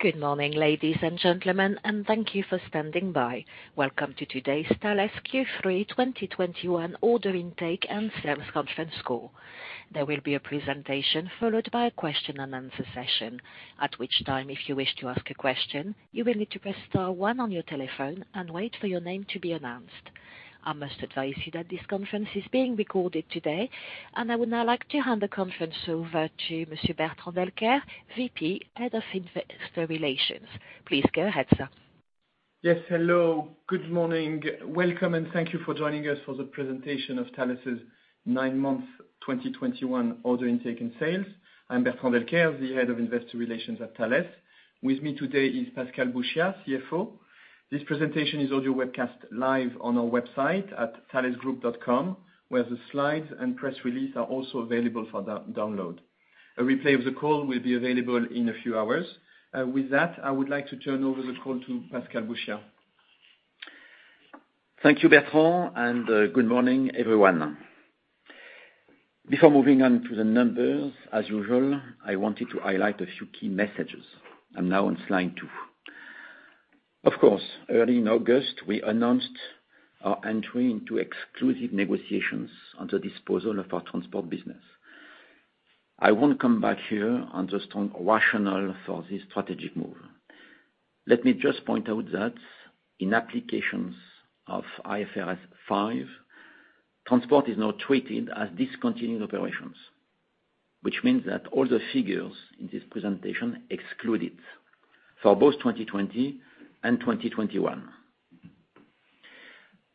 Good morning, ladies and gentlemen, and thank you for standing by. Welcome to today's Thales Q3 2021 Order Intake and Sales conference call. There will be a presentation followed by a question-and-answer session. At which time, if you wish to ask a question, you will need to press star one on your telephone and wait for your name to be announced. I must advise you that this conference is being recorded today, and I would now like to hand the conference over to Monsieur Bertrand Delcaire, VP, Head of Investor Relations. Please go ahead, sir. Yes, hello. Good morning. Welcome and thank you for joining us for the presentation of Thales' nine-month 2021 order intake and sales. I'm Bertrand Delcaire, the Head of Investor Relations at Thales. With me today is Pascal Bouchiat, CFO. This presentation is also webcast live on our website at thalesgroup.com, where the slides and press release are also available for download. A replay of the call will be available in a few hours. With that, I would like to turn over the call to Pascal Bouchiat. Thank you, Bertrand, and good morning, everyone. Before moving on to the numbers, as usual, I wanted to highlight a few key messages. I'm now on slide two. Of course, early in August, we announced our entry into exclusive negotiations on the disposal of our transport business. I won't come back here on the strong rationale for this strategic move. Let me just point out that in applications of IFRS 5, transport is now treated as discontinued operations, which means that all the figures in this presentation exclude it, for both 2020 and 2021.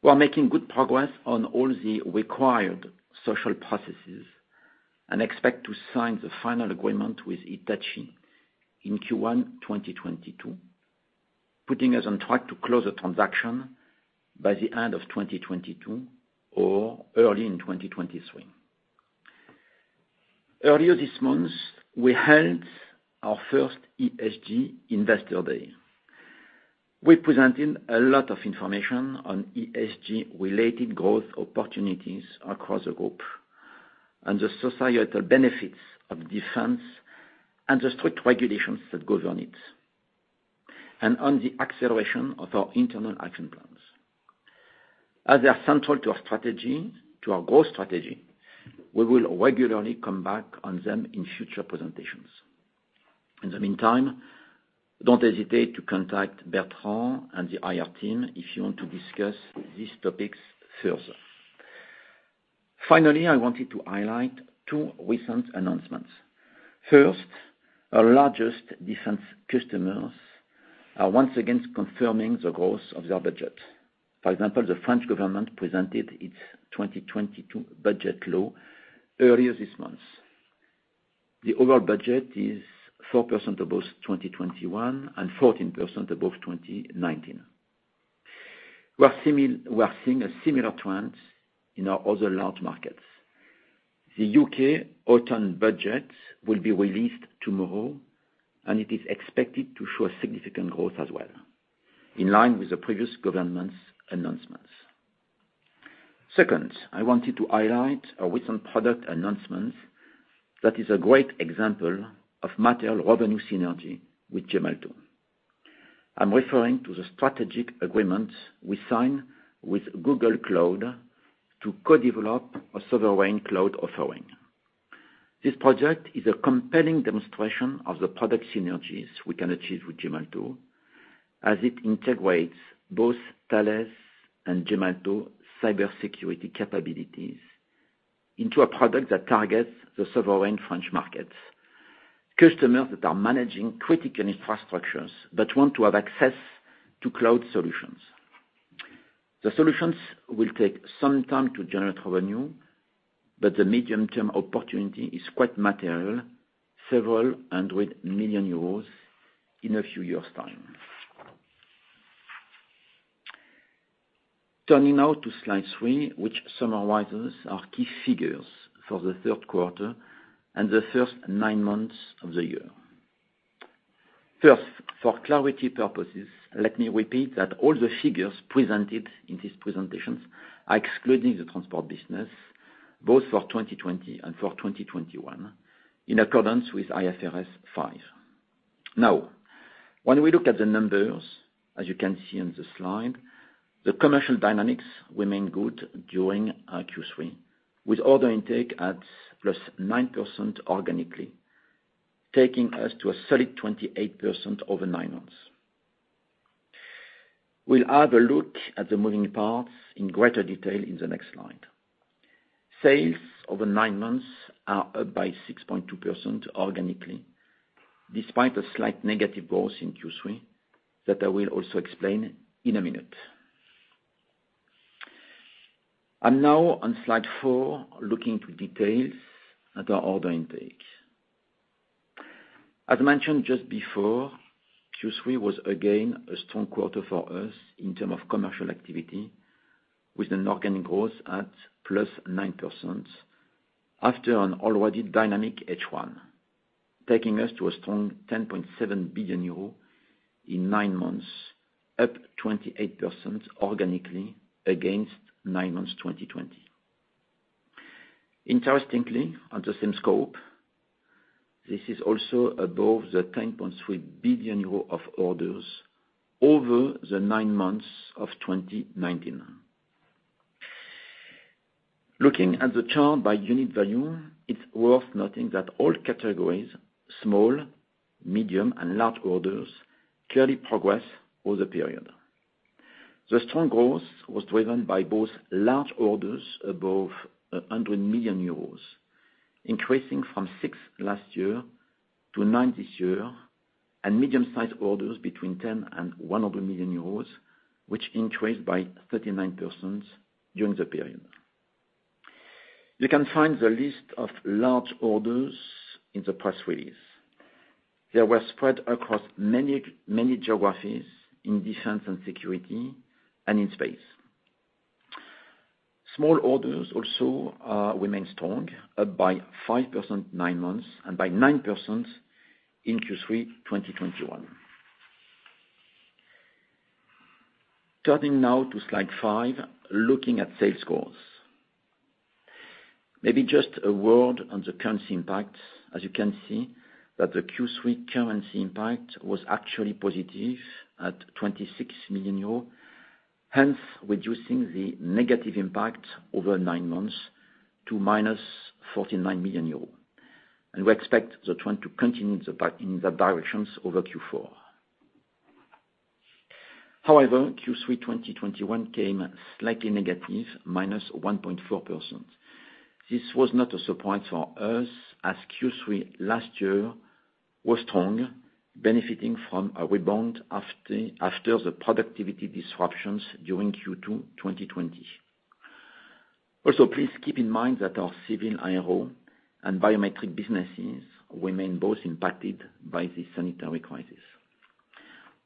We're making good progress on all the required social processes and expect to sign the final agreement with Hitachi in Q1 2022, putting us on track to close the transaction by the end of 2022 or early in 2023. Earlier this month, we held our first ESG Investor Day. We presented a lot of information on ESG-related growth opportunities across the group and the societal benefits of defense and the strict regulations that govern it. On the acceleration of our internal action plans. As they are central to our strategy, to our growth strategy, we will regularly come back on them in future presentations. In the meantime, don't hesitate to contact Bertrand and the IR team if you want to discuss these topics further. Finally, I wanted to highlight two recent announcements. First, our largest defense customers are once again confirming the growth of their budget. For example, the French government presented its 2022 budget law earlier this month. The overall budget is 4% above 2021 and 14% above 2019. We are seeing a similar trend in our other large markets. The U.K. autumn budget will be released tomorrow, and it is expected to show significant growth as well, in line with the previous government's announcements. Second, I wanted to highlight our recent product announcement that is a great example of material revenue synergy with Gemalto. I'm referring to the strategic agreement we signed with Google Cloud to co-develop a sovereign cloud offering. This project is a compelling demonstration of the product synergies we can achieve with Gemalto, as it integrates both Thales and Gemalto cybersecurity capabilities into a product that targets the sovereign French market, customers that are managing critical infrastructures but want to have access to cloud solutions. The solutions will take some time to generate revenue, but the medium-term opportunity is quite material, EUR several hundred million in a few years' time. Turning now to slide three, which summarizes our key figures for the third quarter and the first nine months of the year. First, for clarity purposes, let me repeat that all the figures presented in this presentation are excluding the transport business, both for 2020 and for 2021, in accordance with IFRS 5. Now, when we look at the numbers, as you can see on the slide, the commercial dynamics remain good during our Q3, with order intake at +9% organically, taking us to a solid 28% over nine months. We'll have a look at the moving parts in greater detail in the next slide. Sales over nine months are up by 6.2% organically, despite a slight negative growth in Q3 that I will also explain in a minute. I'm now on slide four, looking to details at our order intake. As mentioned just before, Q3 was again a strong quarter for us in terms of commercial activity, with an organic growth at +9% after an already dynamic H1, taking us to a strong 10.7 billion euro in nine months, up 28% organically against nine months 2020. Interestingly, on the same scope, this is also above the 10.3 billion euro of orders over the nine months of 2019. Looking at the chart by unit value, it's worth noting that all categories, small, medium, and large orders, clearly progressed over the period. The strong growth was driven by both large orders above 100 million euros, increasing from 6 last year to 9 this year, and medium-sized orders between 10 million euros and 100 million euros, which increased by 39% during the period. You can find the list of large orders in the press release. They were spread across many, many geographies in defense and security and in space. Small orders also remain strong, up by 5% nine months and by 9% in Q3 2021. Turning now to slide five, looking at sales growth. Maybe just a word on the currency impact, as you can see that the Q3 currency impact was actually positive at 26 million euros, hence reducing the negative impact over nine months to -49 million euros. We expect the trend to continue in the direction over Q4. However, Q3 2021 came slightly negative, -1.4%. This was not a surprise for us, as Q3 last year was strong, benefiting from a rebound after the productivity disruptions during Q2 2020. Please keep in mind that our civil aero and biometric businesses remain both impacted by this sanitary crisis.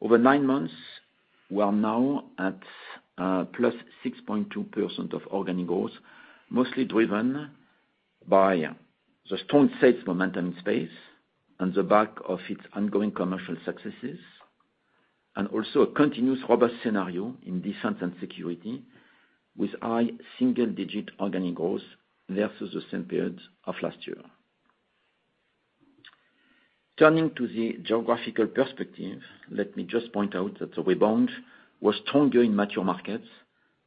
Over nine months, we are now at +6.2% organic growth, mostly driven by the strong sales momentum in Space on the back of its ongoing commercial successes, and also a continuous robust scenario in Defense and Security with high single-digit organic growth versus the same period of last year. Turning to the geographical perspective, let me just point out that the rebound was stronger in mature markets,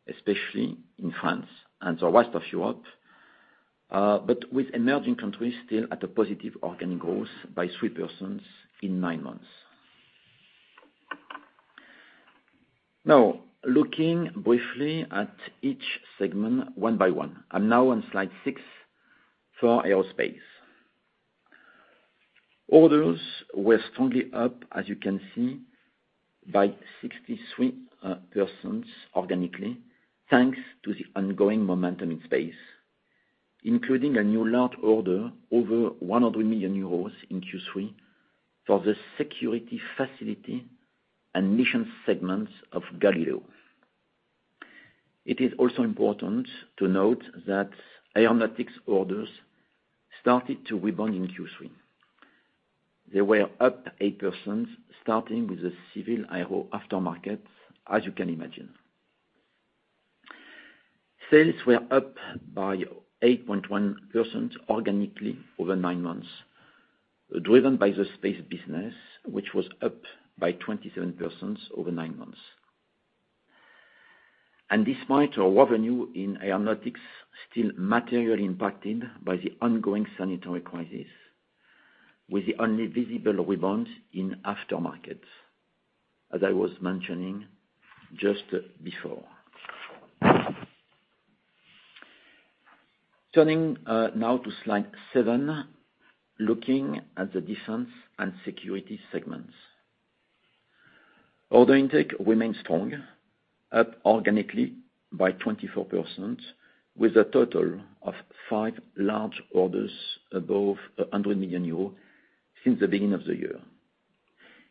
especially in France and the rest of Europe, but with emerging countries still at a positive organic growth of 3% in nine months. Now, looking briefly at each segment one by one. I'm now on slide six for Aerospace. Orders were strongly up, as you can see, by 63% organically, thanks to the ongoing momentum in space, including a new large order over 100 million euros in Q3 for the security facility and mission segments of Galileo. It is also important to note that aeronautics orders started to rebound in Q3. They were up 8%, starting with the civil aero aftermarket, as you can imagine. Sales were up by 8.1% organically over nine months, driven by the space business, which was up by 27% over nine months. Despite our revenue in aeronautics still materially impacted by the ongoing sanitary crisis, with the only visible rebound in aftermarket, as I was mentioning just before. Turning now to slide seven, looking at the defense and security segments. Order intake remains strong, up organically by 24%, with a total of five large orders above 100 million euros since the beginning of the year,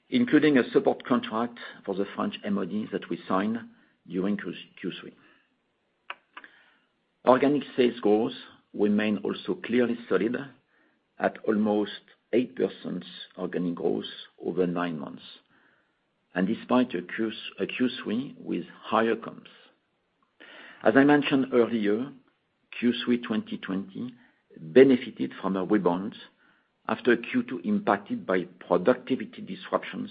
including a support contract for the French MOD that we signed during Q3. Organic sales growth remain also clearly solid at almost 8% organic growth over nine months, and despite a Q3 with higher comps. As I mentioned earlier, Q3 2020 benefited from a rebound after a Q2 impacted by productivity disruptions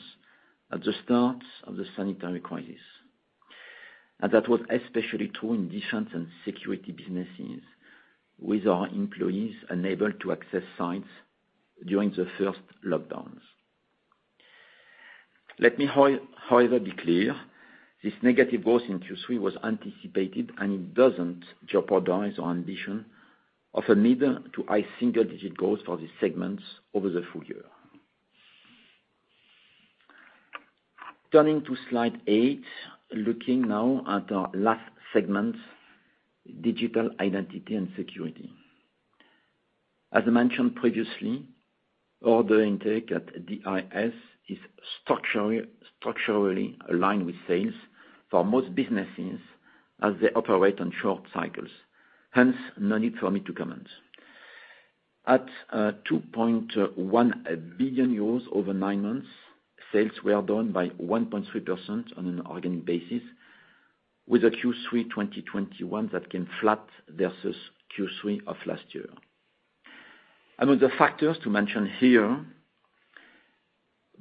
at the start of the sanitary crisis. That was especially true in defense and security businesses with our employees unable to access sites during the first lockdowns. Let me however, be clear, this negative growth in Q3 was anticipated and it doesn't jeopardize our ambition of a mid- to high single-digit growth for the segments over the full year. Turning to slide eight, looking now at our last segment, digital identity and security. As I mentioned previously, order intake at DIS is structurally aligned with sales for most businesses as they operate on short cycles. Hence, no need for me to comment. At 2.1 billion euros over nine months, sales were down by 1.3% on an organic basis with a Q3 2021 that came flat versus Q3 of last year. Among the factors to mention here,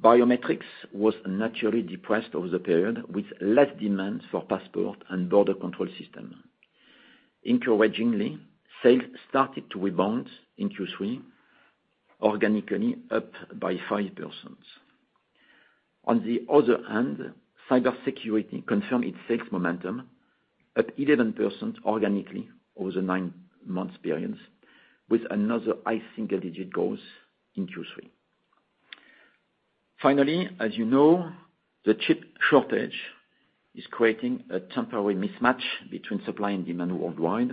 biometrics was naturally depressed over the period with less demand for passport and border control system. Encouragingly, sales started to rebound in Q3, organically up by 5%. On the other hand, cybersecurity confirmed its sales momentum at 11% organically over the nine months period, with another high single-digit growth in Q3. Finally, as you know, the chip shortage is creating a temporary mismatch between supply and demand worldwide,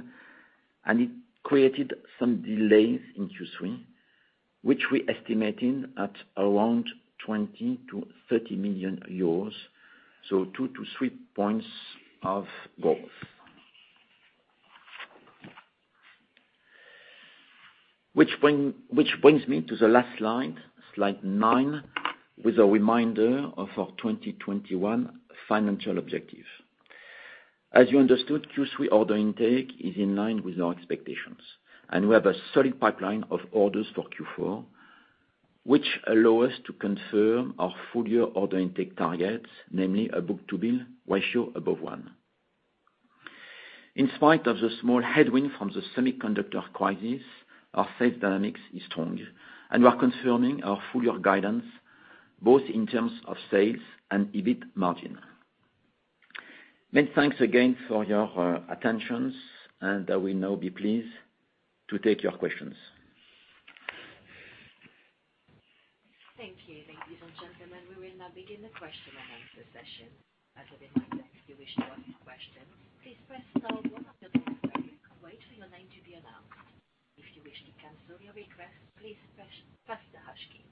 and it created some delays in Q3, which we're estimating at around 20 million-30 million euros, so 2%-3% of growth. Which brings me to the last slide nine, with a reminder of our 2021 financial objective. As you understood, Q3 order intake is in line with our expectations, and we have a solid pipeline of orders for Q4, which allow us to confirm our full-year order intake targets, namely a book-to-bill ratio above one. In spite of the small headwind from the semiconductor crisis, our sales dynamics is strong, and we are confirming our full-year guidance, both in terms of sales and EBIT margin. Many thanks again for your attentions, and I will now be pleased to take your questions. Thank you. Ladies and gentlemen, we will now begin the question and answer session. As a reminder, if you wish to ask a question, please press star one on your phone and wait for your name to be announced. If you wish to cancel your request, please press the hash key.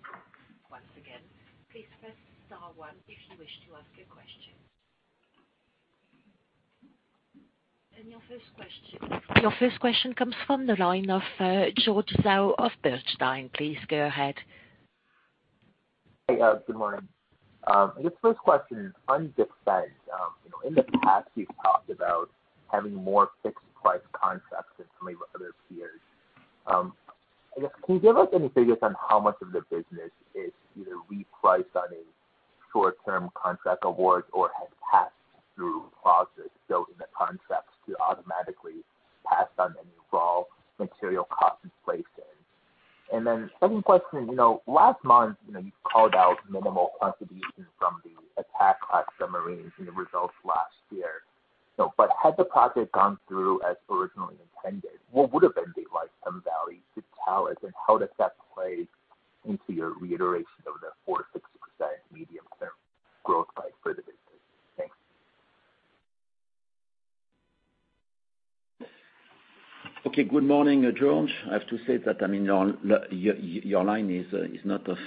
Once again, please press star one if you wish to ask a question. Your first question comes from the line of George Zhao of Bernstein. Please go ahead. Hey, good morning. I guess first question, on defense, you know, in the past you've talked about having more fixed price contracts than some of your other peers. I guess, can you give us any figures on how much of the business is either repriced on a short-term contract award or has passed through clauses built in the contracts to automatically pass on any raw material cost increases? And then second question, you know, last month, you know, you called out minimal contribution from the Attack-class submarines in the results last year. But had the project gone through as originally intended, what would have been the lifetime value to Thales, and how does that play into your reiteration of the 4%-6% medium-term growth rate for the business? Thanks. Okay. Good morning, George. I have to say that, I mean, your line is not of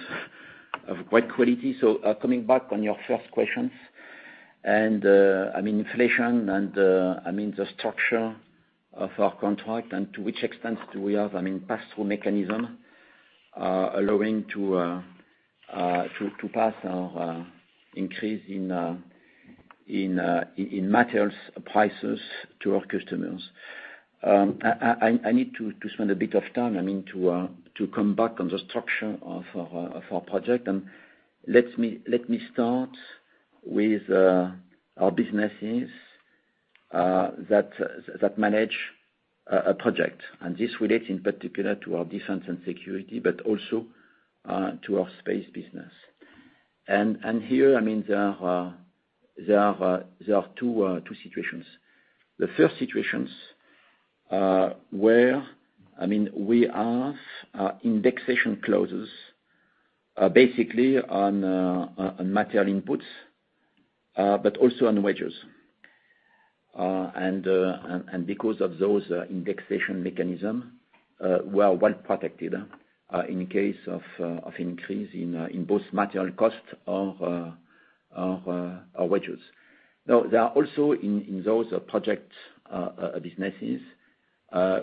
great quality. Coming back on your first questions, and, I mean, inflation and, I mean, the structure of our contract and to which extent do we have, I mean, pass-through mechanism, allowing to pass our increase in materials prices to our customers. I need to spend a bit of time, I mean, to come back on the structure of our project. Let me start with our businesses that manage a project. This relates in particular to our defense and security, but also to our space business. Here, I mean, there are two situations. The first situations, where, I mean, we have indexation clauses, basically on material inputs, but also on wages. Because of those indexation mechanism, we are well protected, in case of increase in both material costs or wages. Now, there are also in those project businesses,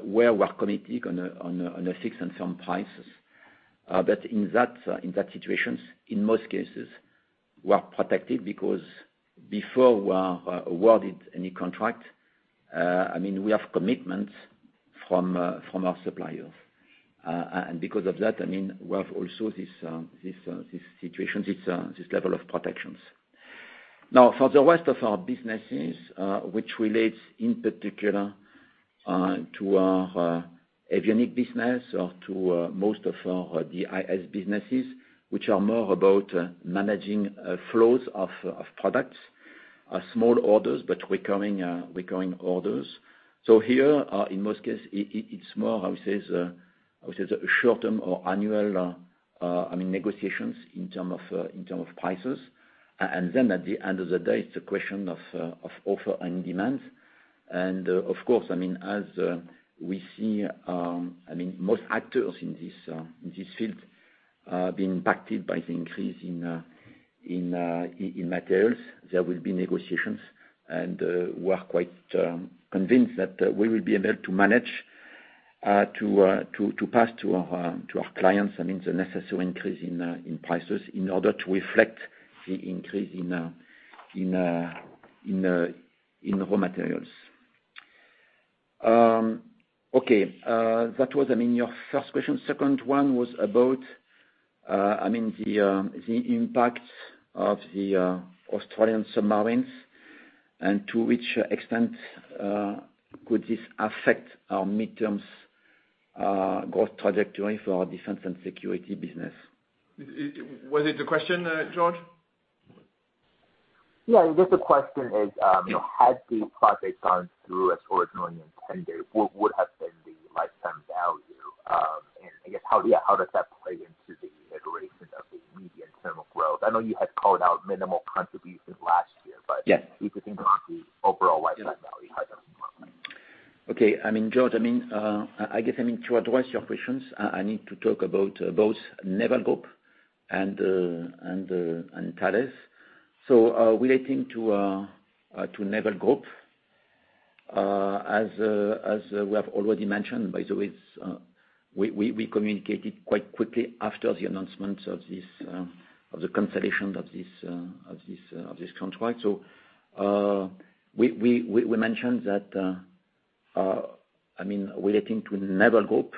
where we're committed on a fixed and firm prices. In that situations, in most cases, we're protected because before we are awarded any contract, I mean, we have commitments from our suppliers. Because of that, I mean, we have also this situation, this level of protections. Now, for the rest of our businesses, which relates in particular to our avionics business or to most of our DIS businesses, which are more about managing flows of products, small orders, but recurring orders. Here, in most cases, it's more how we say short-term or annual, I mean, negotiations in terms of prices. And then at the end of the day, it's a question of offer and demand. Of course, I mean, as we see, most actors in this field being impacted by the increase in materials. There will be negotiations and we are quite convinced that we will be able to manage to pass to our clients the necessary increase in prices in order to reflect the increase in raw materials. Okay, that was your first question. Second one was about the impact of the Australian submarines and to which extent could this affect our mid-term growth trajectory for our defense and security business? Was it the question, George? Yeah. I guess the question is, you know, had the project gone through as originally intended, what would have been the lifetime value? I guess how, yeah, how does that play into the iteration of the medium term of growth? I know you had called out minimal contributions last year. Yes. You could think about the overall lifetime value had that gone through. Okay. I mean, George, I guess I mean to address your questions, I need to talk about both Naval Group and Thales. Relating to Naval Group, as we have already mentioned, by the way, we communicated quite quickly after the announcement of the consolidation of this contract. We mentioned that, I mean relating to Naval Group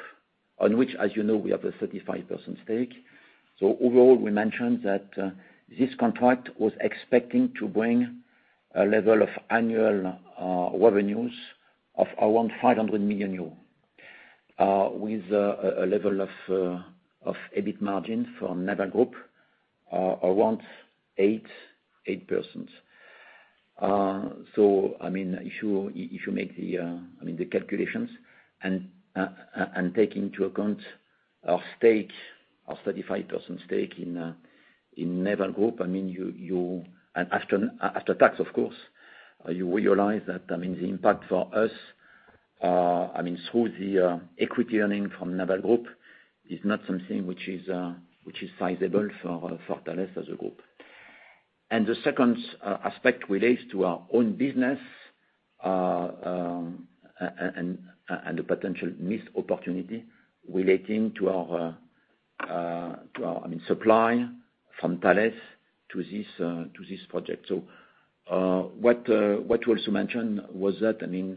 on which as you know, we have a 35% stake. Overall, we mentioned that this contract was expecting to bring a level of annual revenues of around 500 million euros, with a level of EBIT margin from Naval Group around 8%. I mean, if you make the calculations and take into account our 35% stake in Naval Group, I mean, and after tax of course, you realize that, I mean, the impact for us through the equity earning from Naval Group is not something which is sizable for Thales as a group. The second aspect relates to our own business and the potential missed opportunity relating to our supply from Thales to this project. What we also mentioned was that, I mean,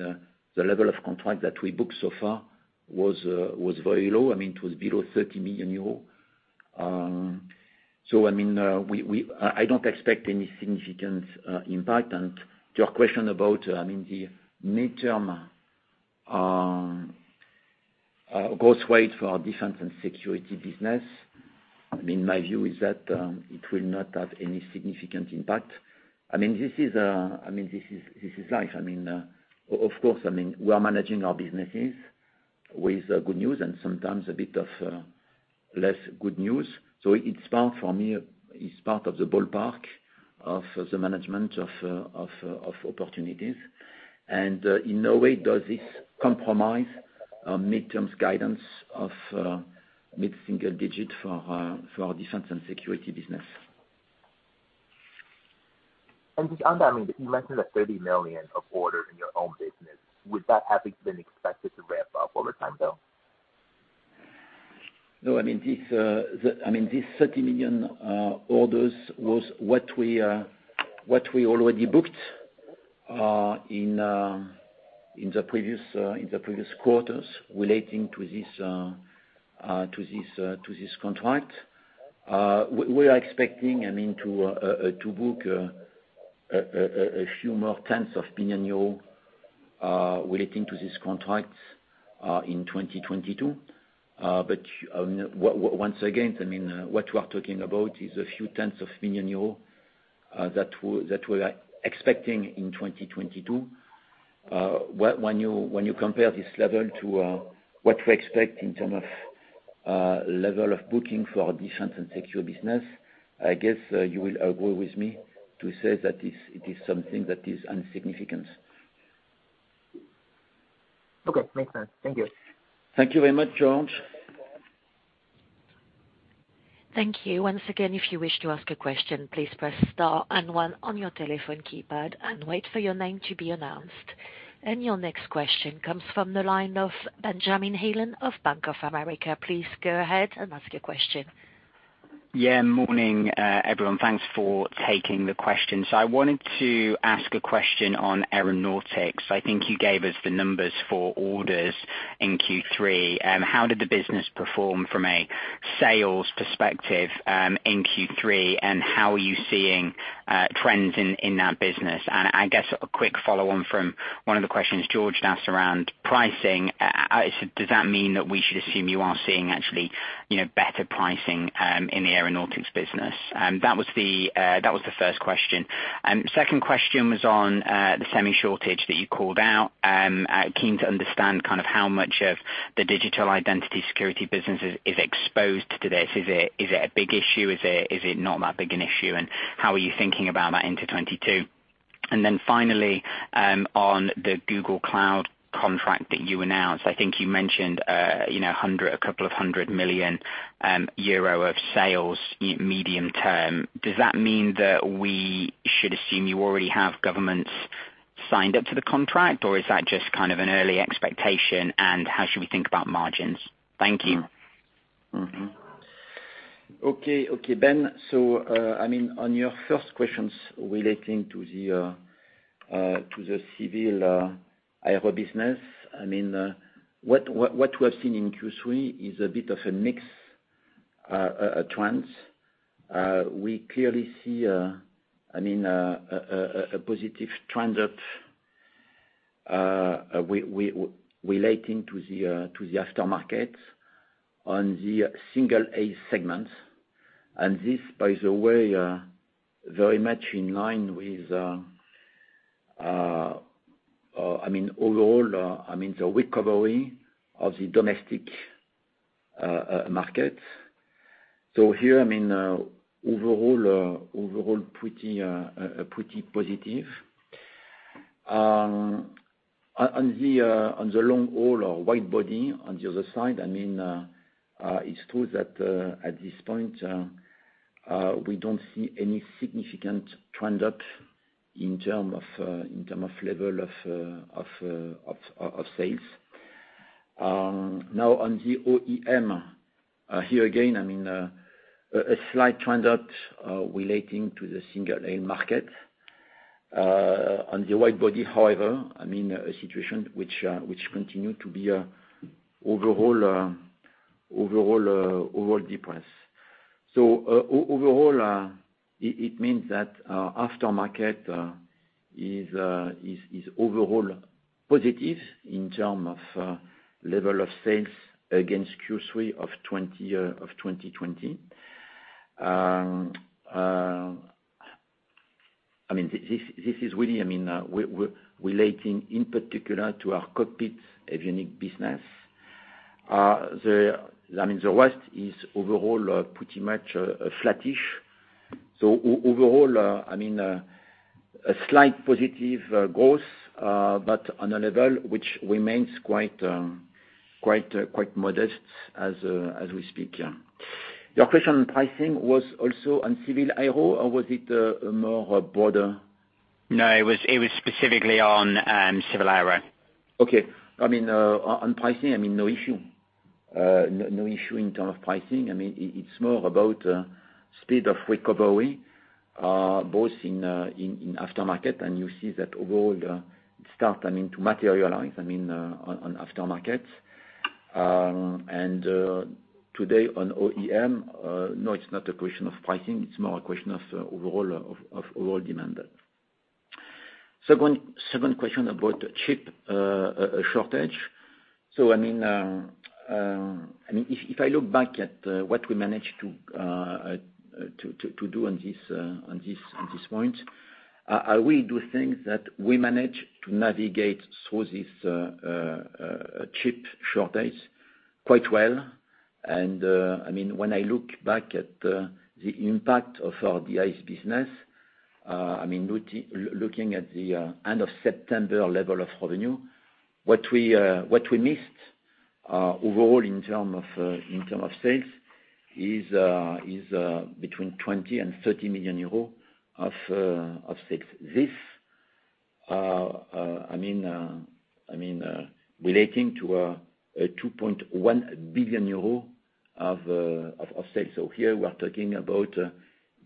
the level of contract that we booked so far was very low. I mean, it was below 30 million euros. I mean, I don't expect any significant impact. To your question about, I mean, the midterm growth rate for our defense and security business, I mean, my view is that it will not have any significant impact. I mean, this is life. I mean, of course, I mean, we are managing our businesses with good news and sometimes a bit of less good news. It's part, for me, it's part of the ballpark of the management of opportunities. In no way does this compromise our midterms guidance of mid-single digit for our defense and security business. Just on that, I mean, you mentioned that 30 million of orders in your own business. Would that have been expected to ramp up over time though? No. I mean, this 30 million orders was what we already booked in the previous quarters relating to this contract. We are expecting, I mean, to book a few more tens of millions of EUR relating to these contracts in 2022. Once again, I mean, what we're talking about is a few tens of millions of EUR that we are expecting in 2022. When you compare this level to what we expect in terms of level of booking for our defense and security business, I guess, you will agree with me to say that it is something that is insignificant. Okay. Makes sense. Thank you. Thank you very much, George. Thank you. Once again, if you wish to ask a question, please press star and one on your telephone keypad and wait for your name to be announced. Your next question comes from the line of Benjamin Heelan of Bank of America. Please go ahead and ask your question. Morning, everyone. Thanks for taking the question. I wanted to ask a question on aeronautics. I think you gave us the numbers for orders in Q3. How did the business perform from a sales perspective in Q3, and how are you seeing trends in that business? I guess a quick follow on from one of the questions George asked around pricing. Does that mean that we should assume you are seeing actually, you know, better pricing in the aeronautics business? That was the first question. Second question was on the semiconductor shortage that you called out. Keen to understand kind of how much of the digital identity security business is exposed to this. Is it a big issue? Is it not that big an issue? How are you thinking about that into 2022? Finally, on the Google Cloud contract that you announced, I think you mentioned, you know, a couple of hundred million EUR of sales in medium term. Does that mean that we should assume you already have governments signed up to the contract, or is that just kind of an early expectation, and how should we think about margins? Thank you. Mm-hmm. Okay, Ben. I mean, on your first questions relating to the civil aero business, I mean, what we have seen in Q3 is a bit of a mix, a trend. We clearly see, I mean, a positive trend relating to the aftermarket on the single-aisle segment. And this, by the way, very much in line with, I mean, overall, I mean, the recovery of the domestic market. Here, I mean, overall pretty positive. On the long haul or wide body on the other side, I mean, it's true that at this point we don't see any significant trend up in terms of level of sales. Now, on the OEM, here again, I mean, a slight trend up relating to the single-aisle market. On the wide body, however, I mean, a situation which continue to be overall depressed. Overall, it means that aftermarket is overall positive in terms of level of sales against Q3 of 2020. I mean, this is really, I mean, we relating in particular to our cockpit avionics business. I mean, the rest is overall pretty much flattish. Overall, I mean, a slight positive growth, but on a level which remains quite modest as we speak, yeah. Your question on pricing was also on civil aero, or was it broader? No, it was specifically on civil aero. Okay. I mean, on pricing, I mean, no issue. No issue in terms of pricing. I mean, it's more about speed of recovery both in aftermarket, and you see that overall, it start to materialize, I mean, on aftermarket. Today on OEM, no, it's not a question of pricing, it's more a question of overall demand. Second question about chip shortage. I mean, if I look back at what we managed to do on this point, we do think that we managed to navigate through this chip shortage quite well. I mean, when I look back at the impact of our DIS business, I mean, looking at the end of September level of revenue, what we missed overall in terms of sales is between 20 million-30 million euros of sales. This relating to 2.1 billion euros of sales. We are talking about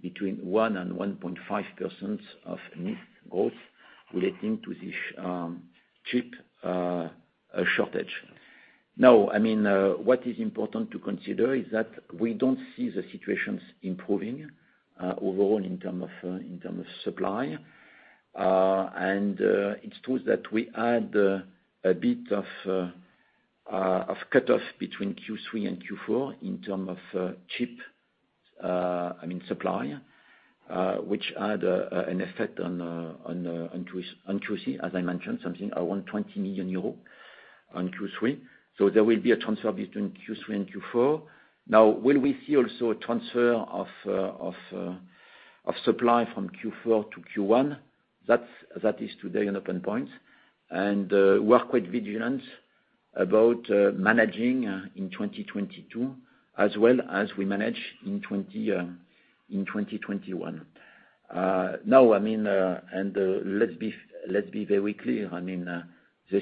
between 1%-1.5% of missed growth relating to this chip shortage. Now, I mean, what is important to consider is that we don't see the situations improving overall in terms of supply. It's true that we had a bit of cutoff between Q3 and Q4 in terms of chip, I mean, supply, which had an effect on Q3, as I mentioned, something around 20 million euros on Q3. There will be a transfer between Q3 and Q4. Will we see also a transfer of supply from Q4 to Q1? That is today an open point. We are quite vigilant about managing in 2022 as well as we manage in 2021. Let's be very clear. I mean, the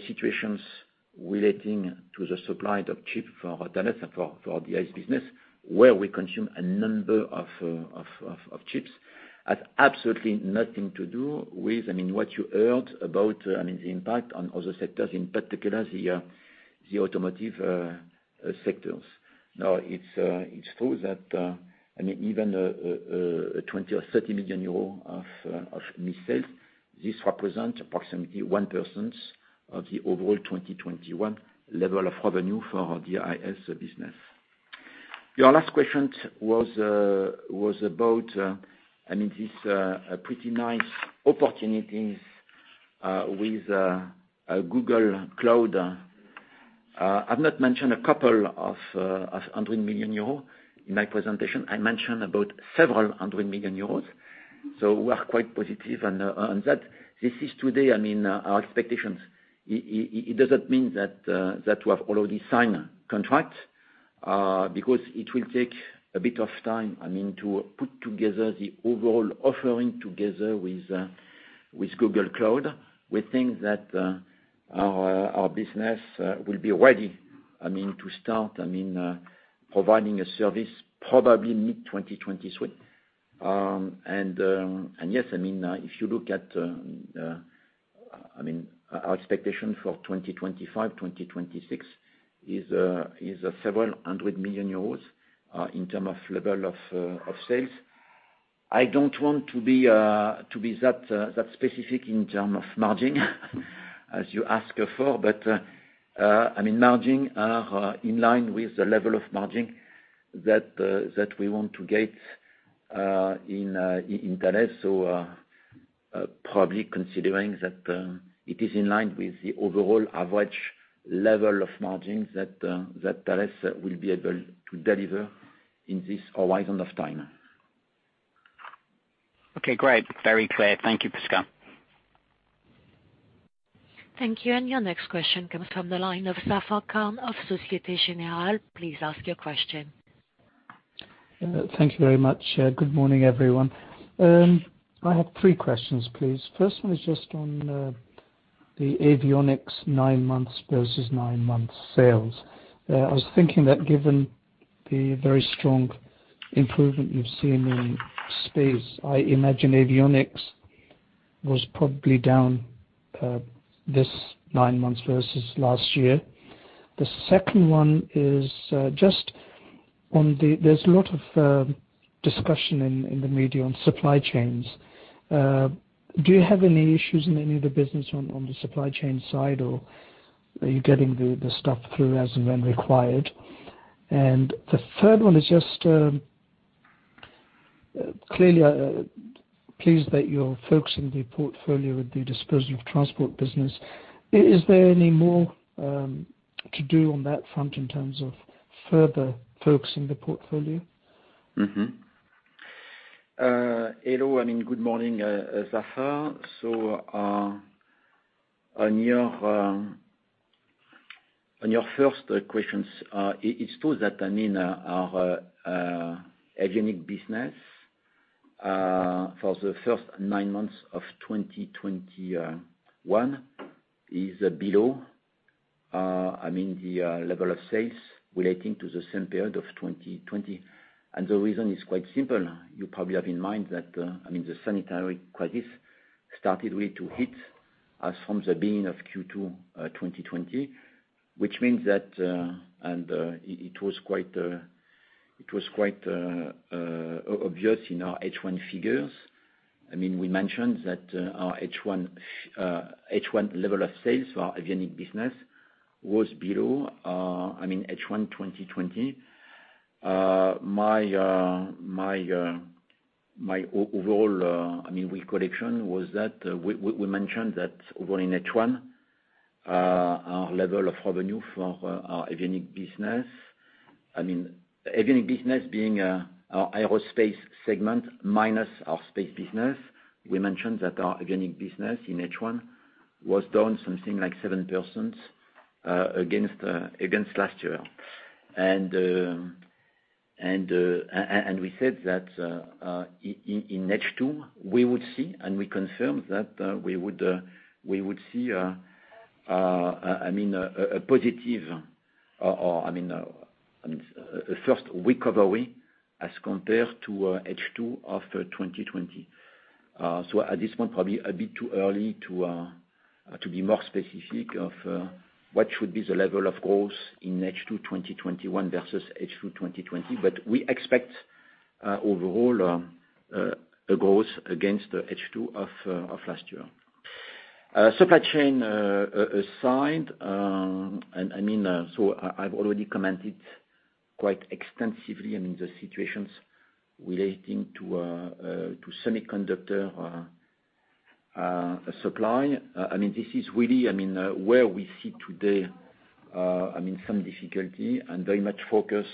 situations relating to the supply of chips for Thales and for our DIS business, where we consume a number of chips, has absolutely nothing to do with, I mean, what you heard about, I mean, the impact on other sectors, in particular the automotive sectors. It's true that, I mean, even 20 million or 30 million of missed sales, this represent approximately 1% of the overall 2021 level of revenue for our DIS's business. Your last question was about, I mean, this a pretty nice opportunities with Google Cloud. I've not mentioned a couple of hundred million euro in my presentation. I mentioned about several hundred million euros. We are quite positive on that. This is today, I mean, our expectations. It doesn't mean that we have already signed contracts because it will take a bit of time, I mean, to put together the overall offering together with Google Cloud. We think that our business will be ready, I mean, to start, I mean, providing a service probably mid-2023. Yes, I mean, if you look at our expectation for 2025, 2026 is several hundred million EUR in terms of level of sales. I don't want to be that specific in terms of margin as you ask for. I mean, margins are in line with the level of margins that we want to get in Thales. Probably considering that, it is in line with the overall average level of margins that Thales will be able to deliver in this horizon of time. Okay, great. Very clear. Thank you, Pascal. Thank you. Your next question comes from the line of Zafar Khan of Société Générale. Please ask your question. Thank you very much. Good morning, everyone. I have three questions please. First one is just on the Avionics nine months versus nine months sales. I was thinking that given the very strong improvement you've seen in space, I imagine Avionics was probably down this nine months versus last year. The second one is just on the. There's a lot of discussion in the media on supply chains. Do you have any issues in any of the business on the supply chain side, or are you getting the stuff through as and when required? The third one is just clearly pleased that you're focusing the portfolio with the disposal of transport business. Is there any more to do on that front in terms of further focusing the portfolio? Hello and good morning, Zafar. On your first questions, it's true that, I mean, our Avionics business for the first nine months of 2021 is below the level of sales relating to the same period of 2020. The reason is quite simple. You probably have in mind that, I mean, the sanitary crisis started really to hit as from the beginning of Q2 2020, which means that it was quite obvious in our H1 figures. I mean, we mentioned that our H1 level of sales for our Avionics business was below H1 2020. My overall, I mean, recollection was that we mentioned that overall in H1 our level of revenue for our Avionics business, I mean, Avionics business being our aerospace segment minus our space business, we mentioned that our Avionics business in H1 was down something like 7% against last year. We said that in H2 we would see, and we confirmed that we would see, I mean, a positive or, I mean, a first recovery as compared to H2 of 2020. At this point, probably a bit too early to be more specific of what should be the level of growth in H2 2021 versus H2 2020. We expect overall a growth against the H2 of last year. Supply chain aside, I've already commented quite extensively, I mean, the situations relating to semiconductor supply. I mean, this is really where we see today some difficulty and very much focus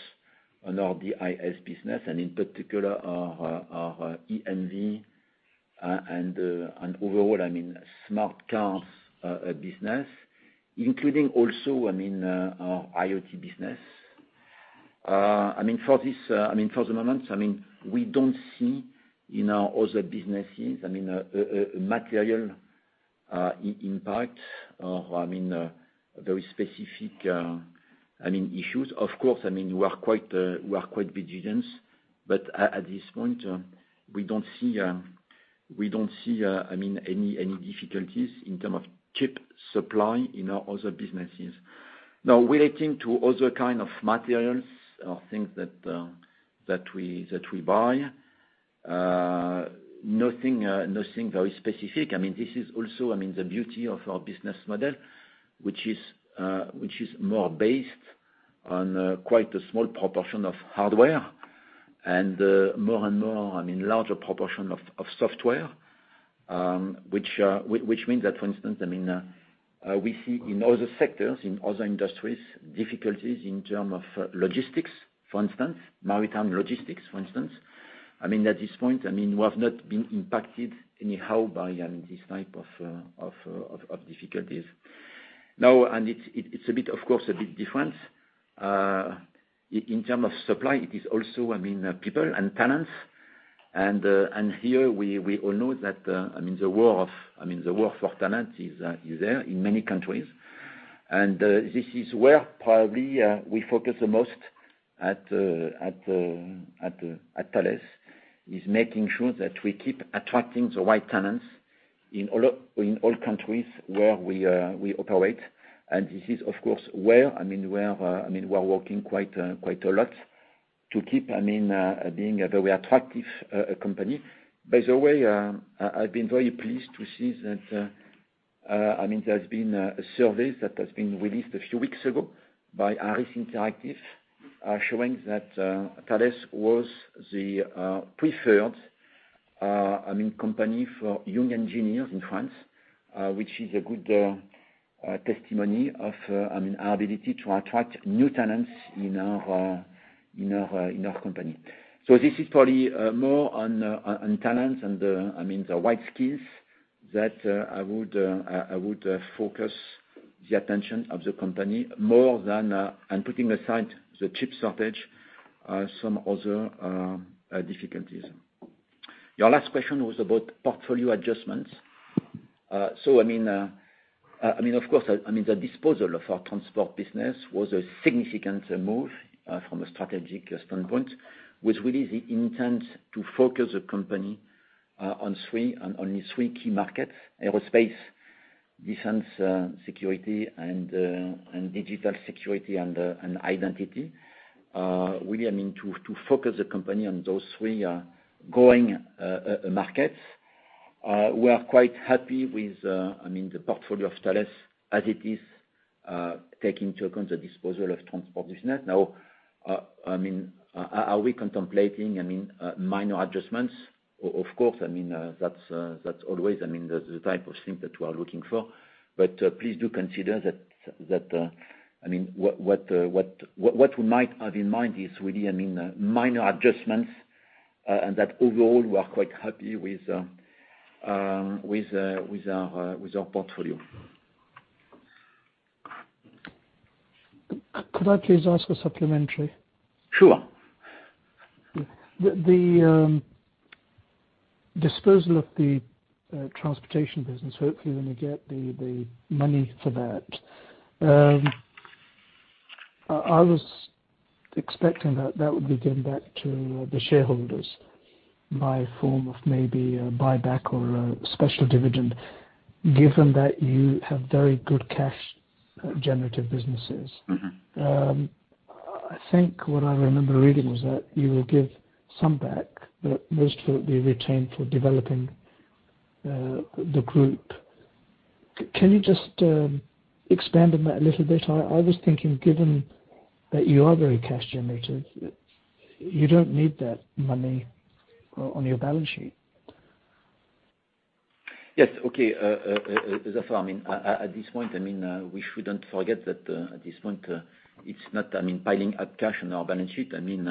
on our DIS business and in particular our EMV and overall smart cards business, including also our IoT business. I mean, for this, for the moment, I mean, we don't see in our other businesses a material impact or very specific issues. Of course, I mean, we are quite vigilant. At this point, we don't see I mean any difficulties in terms of chip supply in our other businesses. Now, relating to other kind of materials or things that we buy, nothing very specific. I mean, this is also I mean the beauty of our business model, which is more based on quite a small proportion of hardware and more and more larger proportion of software, which means that for instance, we see in other sectors, in other industries, difficulties in terms of logistics, for instance, maritime logistics, for instance. I mean, at this point, I mean, we have not been impacted anyhow by this type of difficulties. Now, it's a bit, of course, a big difference in terms of supply. It is also, I mean, people and talents, and here we all know that, I mean, the war for talent is there in many countries. This is where probably we focus the most at Thales, making sure that we keep attracting the right talents in all countries where we operate. This is of course where, I mean, we're working quite a lot to keep, I mean, being a very attractive company. By the way, I've been very pleased to see that, I mean, there's been a survey that has been released a few weeks ago by Harris Interactive, showing that Thales was the preferred, I mean, company for young engineers in France, which is a good testimony of, I mean, our ability to attract new talents in our company. This is probably more on talents and the, I mean, the right skills that I would focus the attention of the company more than and putting aside the chip shortage, some other difficulties. Your last question was about portfolio adjustments. I mean, of course, the disposal of our transport business was a significant move from a strategic standpoint, with really the intent to focus the company on three and only three key markets: aerospace, defense, security, and digital security and identity. Really, I mean, to focus the company on those three growing markets. We are quite happy with, I mean, the portfolio of Thales as it is, taking into account the disposal of transport business. Now, I mean, are we contemplating minor adjustments? Of course, I mean, that's always the type of thing that we're looking for. Please do consider that I mean what we might have in mind is really I mean minor adjustments and that overall we are quite happy with our portfolio. Could I please ask a supplementary? Sure. The disposal of the transportation business, hopefully when we get the money for that, I was expecting that would be given back to the shareholders in the form of maybe a buyback or a special dividend, given that you have very good cash generative businesses. Mm-hmm. I think what I remember reading was that you will give some back, but most will be retained for developing the group. Can you just expand on that a little bit? I was thinking, given that you are very cash generative, you don't need that money on your balance sheet. Yes. Okay. Zafar, I mean, at this point, I mean, we shouldn't forget that at this point, it's not I mean piling up cash on our balance sheet. I mean,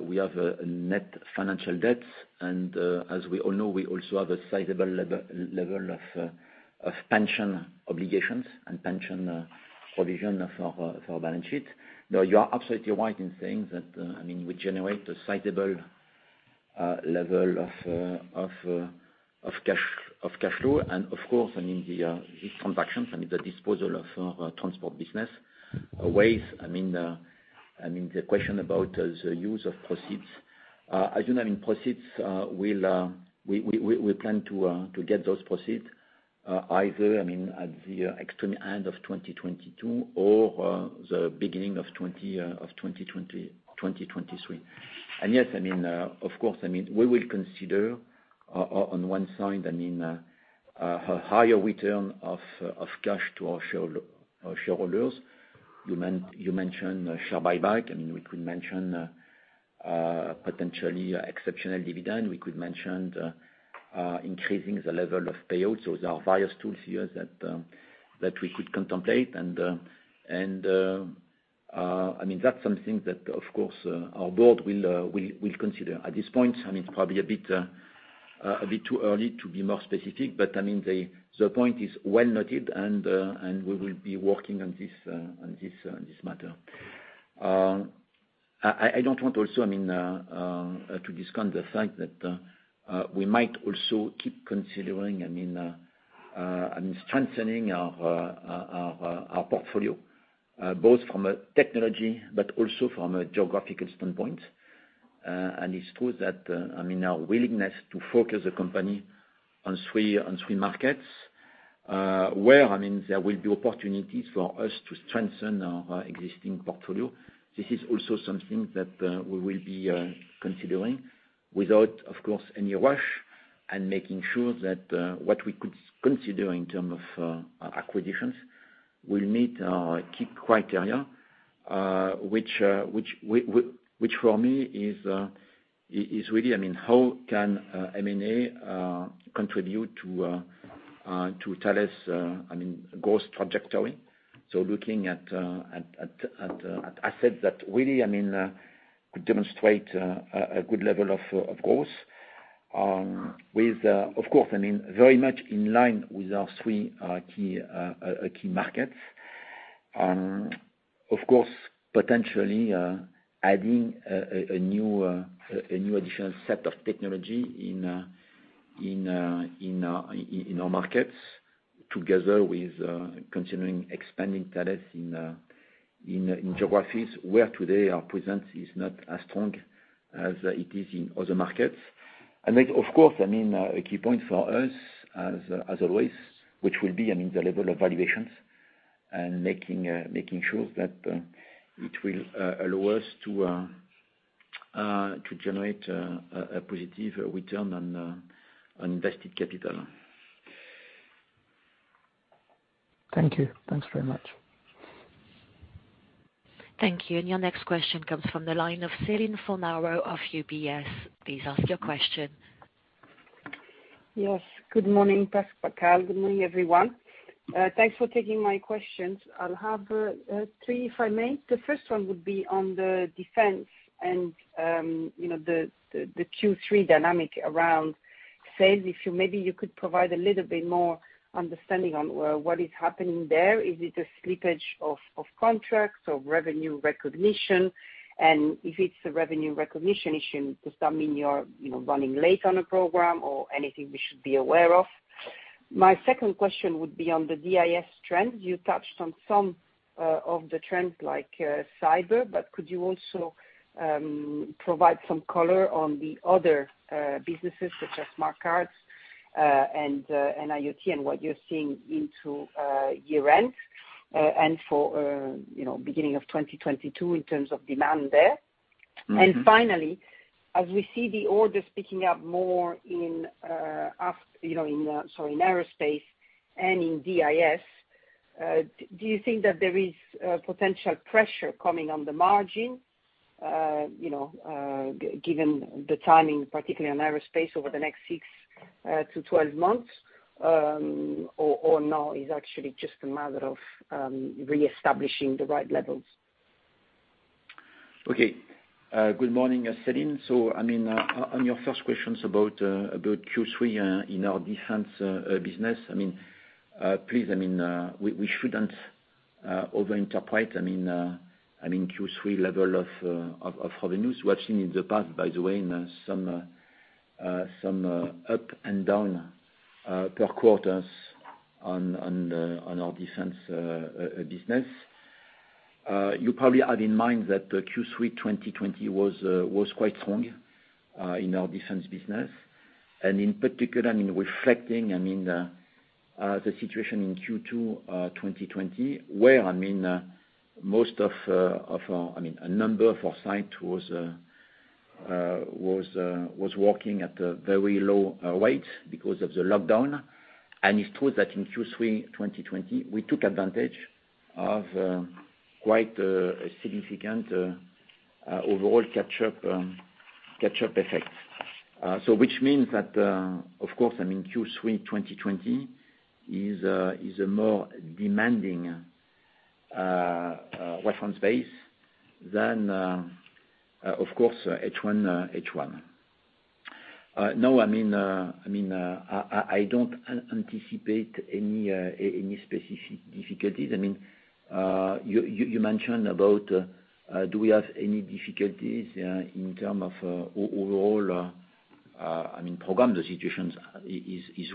we have a net financial debt and as we all know, we also have a sizable level of pension obligations and pension provision for our balance sheet. Now, you are absolutely right in saying that I mean we generate a sizable level of cash flow. Of course, I mean, this transaction, I mean, the disposal of transport business raises the question about the use of proceeds. As you know, I mean proceeds. We plan to get those proceeds either at the extreme end of 2022 or the beginning of 2023. Yes, I mean, of course, I mean, we will consider on one side, I mean, higher return of cash to our shareholders. You mentioned share buyback. I mean, we could mention potentially exceptional dividend. We could mention increasing the level of payouts. There are various tools here that we could contemplate. I mean, that's something that of course our board will consider. At this point, I mean, it's probably a bit too early to be more specific, but I mean, the point is well noted and we will be working on this matter. I don't want to also, I mean, to discount the fact that we might also keep considering, I mean, strengthening our portfolio both from a technology but also from a geographical standpoint. It's true that, I mean, our willingness to focus the company on three markets where, I mean, there will be opportunities for us to strengthen our existing portfolio. This is also something that we will be considering without, of course, any rush. Making sure that what we could consider in terms of acquisitions will meet our key criteria, which for me is really, I mean, how can M&A contribute to Thales', I mean, growth trajectory? Looking at assets that really, I mean, could demonstrate a good level of growth. With, of course, I mean, very much in line with our three key markets. Of course, potentially adding a new additional set of technology in our markets together with continuing expanding Thales in geographies where today our presence is not as strong as it is in other markets. That of course, I mean, a key point for us as always, which will be, I mean, the level of valuations and making sure that it will allow us to generate a positive return on invested capital. Thank you. Thanks very much. Thank you. Your next question comes from the line of Celine Fornaro of UBS. Please ask your question. Yes. Good morning, Pascal. Good morning, everyone. Thanks for taking my questions. I'll have three, if I may. The first one would be on the defense and the Q3 dynamic around sales. If you maybe could provide a little bit more understanding on what is happening there. Is it a slippage of contracts or revenue recognition? And if it's a revenue recognition issue, does that mean you're running late on a program or anything we should be aware of? My second question would be on the DIS trend. You touched on some of the trends like cyber, but could you also provide some color on the other businesses such as smart cards and IoT and what you're seeing into year-end and for you know beginning of 2022 in terms of demand there? Mm-hmm. Finally, as we see the orders picking up more in aerospace and in DIS, do you think that there is potential pressure coming on the margin, you know, given the timing, particularly on aerospace over the next six to 12 months, or now is actually just a matter of reestablishing the right levels? Good morning, Céline. I mean, on your first questions about Q3 in our defense business, I mean, please, we shouldn't overinterpret, I mean, Q3 level of revenues. We have seen in the past, by the way, in some up and down per quarters on our defense business. You probably have in mind that the Q3 2020 was quite strong in our defense business. In particular, I mean, reflecting the situation in Q2 2020, where most of a number of our sites was working at a very low rate because of the lockdown. It's true that in Q3 2020, we took advantage of quite a significant overall catch-up effect. So which means that, of course, I mean, Q3 2020 is a more demanding reference base than, of course, H1. No, I mean, I don't anticipate any specific difficulties. I mean, you mentioned about, do we have any difficulties in terms of overall, I mean, program situations is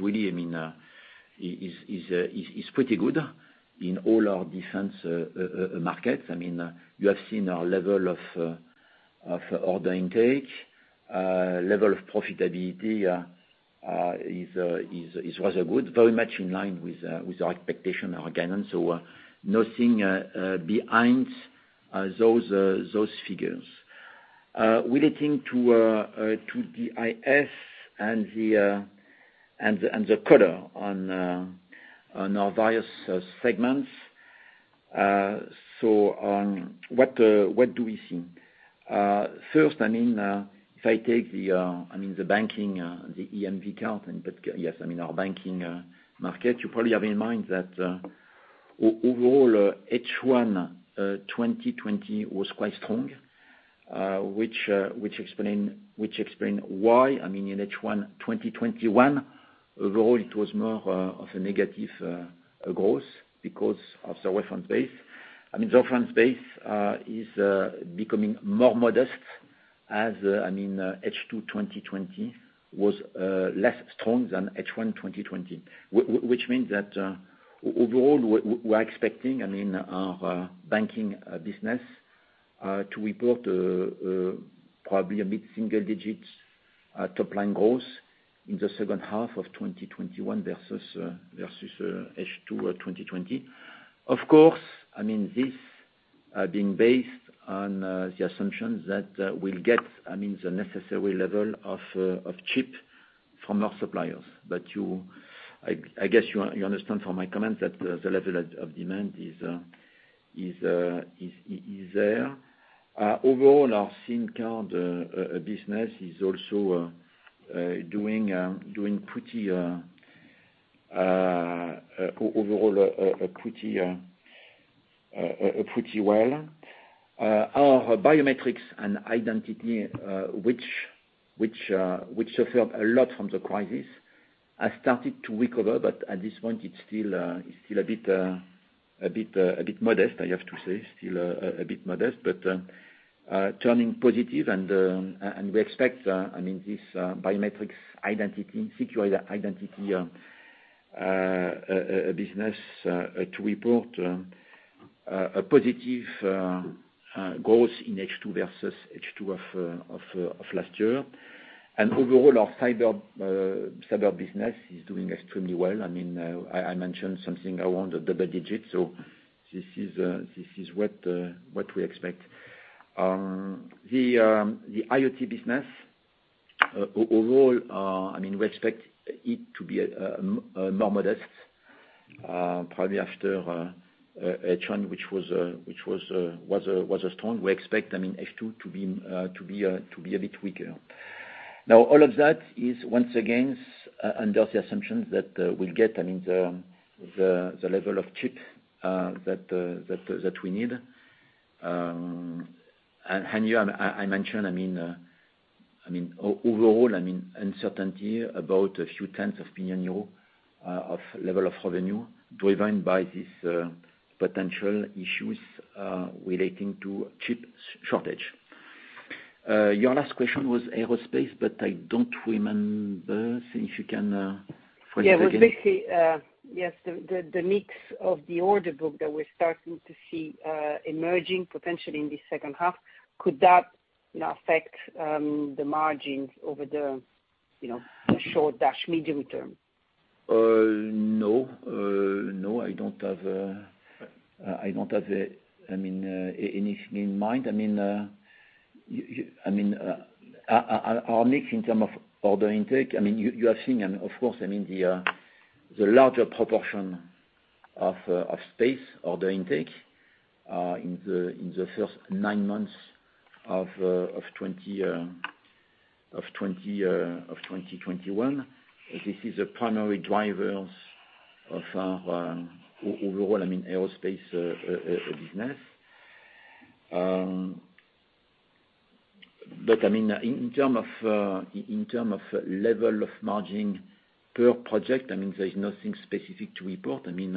pretty good in all our defense markets. I mean, you have seen our level of order intake, level of profitability, is rather good, very much in line with our expectation, our guidance. Nothing behind those figures. Relating to DIS and the color on our various segments. What do we see? First, I mean, if I take the, I mean, the banking, the EMV count in particular, yes, I mean, our banking market, you probably have in mind that, overall, H1 2020 was quite strong, which explains why, I mean, in H1 2021, overall, it was more of a negative growth because of the reference base. I mean, the reference base is becoming more modest as, I mean, H2 2020 was less strong than H1 2020. Which means that overall we're expecting, I mean, our banking business to report probably a mid-single digits top-line growth in the second half of 2021 versus H2 2020. Of course, I mean, this is being based on the assumptions that we'll get, I mean, the necessary level of chips from our suppliers. But I guess you understand from my comments that the level of demand is there. Overall, our SIM card business is also doing pretty well. Our biometrics and identity, which suffered a lot from the crisis, has started to recover, but at this point it's still a bit modest, I have to say. Still, a bit modest but turning positive and we expect, I mean, this biometrics identity, secure identity business to report a positive growth in H2 versus H2 of last year. Overall, our cyber business is doing extremely well. I mean, I mentioned something around double digits, so this is what we expect. The IoT business overall, I mean, we expect it to be more modest, probably after a trend which was strong. We expect, I mean, H2 to be a bit weaker. Now, all of that is once again under the assumptions that we'll get, I mean, the level of chips that we need. Yeah, I mentioned, I mean, overall, I mean, uncertainty about a few tenths of a million EUR of level of revenue driven by these potential issues relating to chip shortage. Your last question was aerospace, but I don't remember. If you can phrase it again. Yeah, it was basically, yes, the mix of the order book that we're starting to see emerging potentially in the second half. Could that, you know, affect the margins over the, you know, short- to medium term? No, I don't have anything in mind. I mean, you, I mean, our mix in terms of order intake. I mean, you have seen and of course, I mean, the larger proportion of space order intake in the first nine months of 2020-2021. This is the primary drivers of our overall, I mean, aerospace business. I mean, in terms of level of margin per project, I mean, there is nothing specific to report. I mean,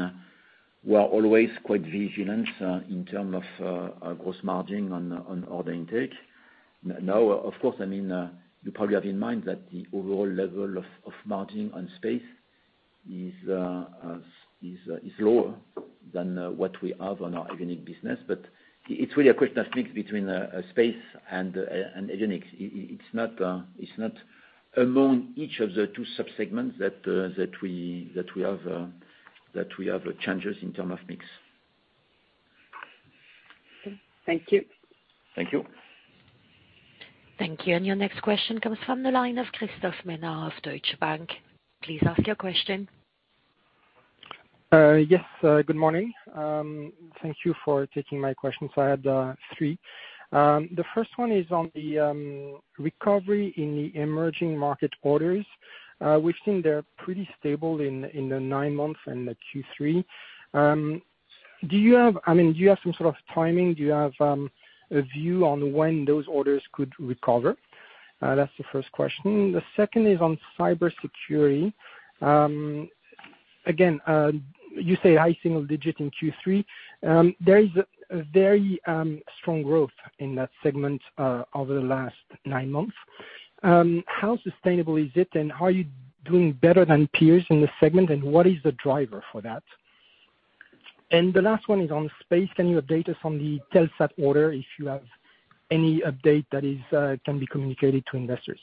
we are always quite vigilant in terms of gross margin on order intake. Now, of course, I mean, you probably have in mind that the overall level of margin on space is lower than what we have on our avionics business. It's really a question of mix between space and avionics. It's not among each of the two sub-segments that we have changes in terms of mix. Okay. Thank you. Thank you. Thank you. Your next question comes from the line of Christophe Menard of Deutsche Bank. Please ask your question. Yes. Good morning. Thank you for taking my questions. I have three. The first one is on the recovery in the emerging market orders. We've seen they're pretty stable in the nine months and the Q3. Do you have, I mean, do you have some sort of timing? Do you have a view on when those orders could recover? That's the first question. The second is on cybersecurity. Again, you say high single digit in Q3. There is a very strong growth in that segment over the last nine months. How sustainable is it, and are you doing better than peers in this segment? And what is the driver for that? The last one is on space. Can you update us on the Telesat order? If you have any update that is, can be communicated to investors.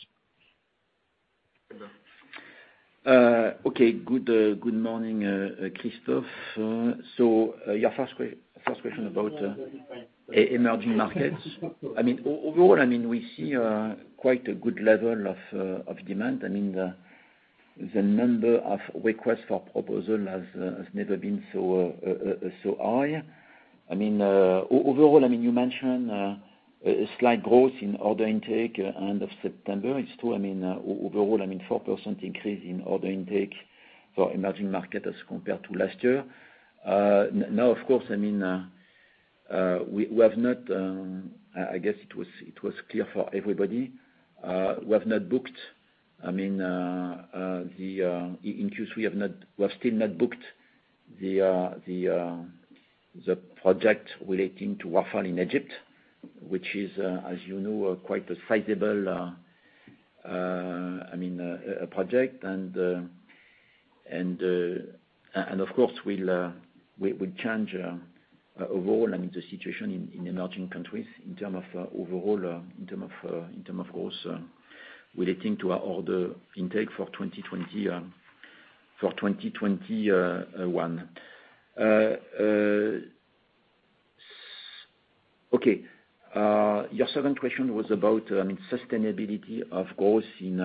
Good morning, Christophe. Your first question about emerging markets. I mean, overall, I mean, we see quite a good level of demand. I mean, the number of requests for proposal has never been so high. I mean, overall, I mean, you mentioned a slight growth in order intake end of September. It's true. I mean, overall, I mean, 4% increase in order intake for emerging market as compared to last year. Now of course, I mean, we have not. I guess it was clear for everybody. We have still not booked in Q3 the project relating to WAFA in Egypt, which is, as you know, a quite sizable project. Of course we'll change overall, I mean, the situation in emerging countries in terms of growth relating to our order intake for 2020 for 2021. Okay. Your second question was about sustainability of growth in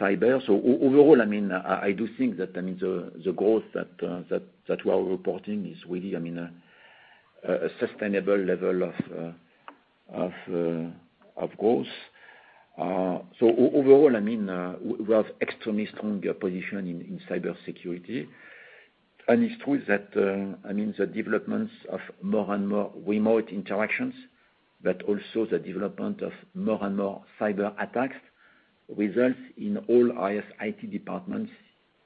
cyber. Overall, I mean, I do think that, I mean, the growth that we're reporting is really, I mean, a sustainable level of growth. Overall, I mean, we have an extremely strong position in cybersecurity. It's true that, I mean, the developments of more and more remote interactions, but also the development of more and more cyberattacks results in all IT departments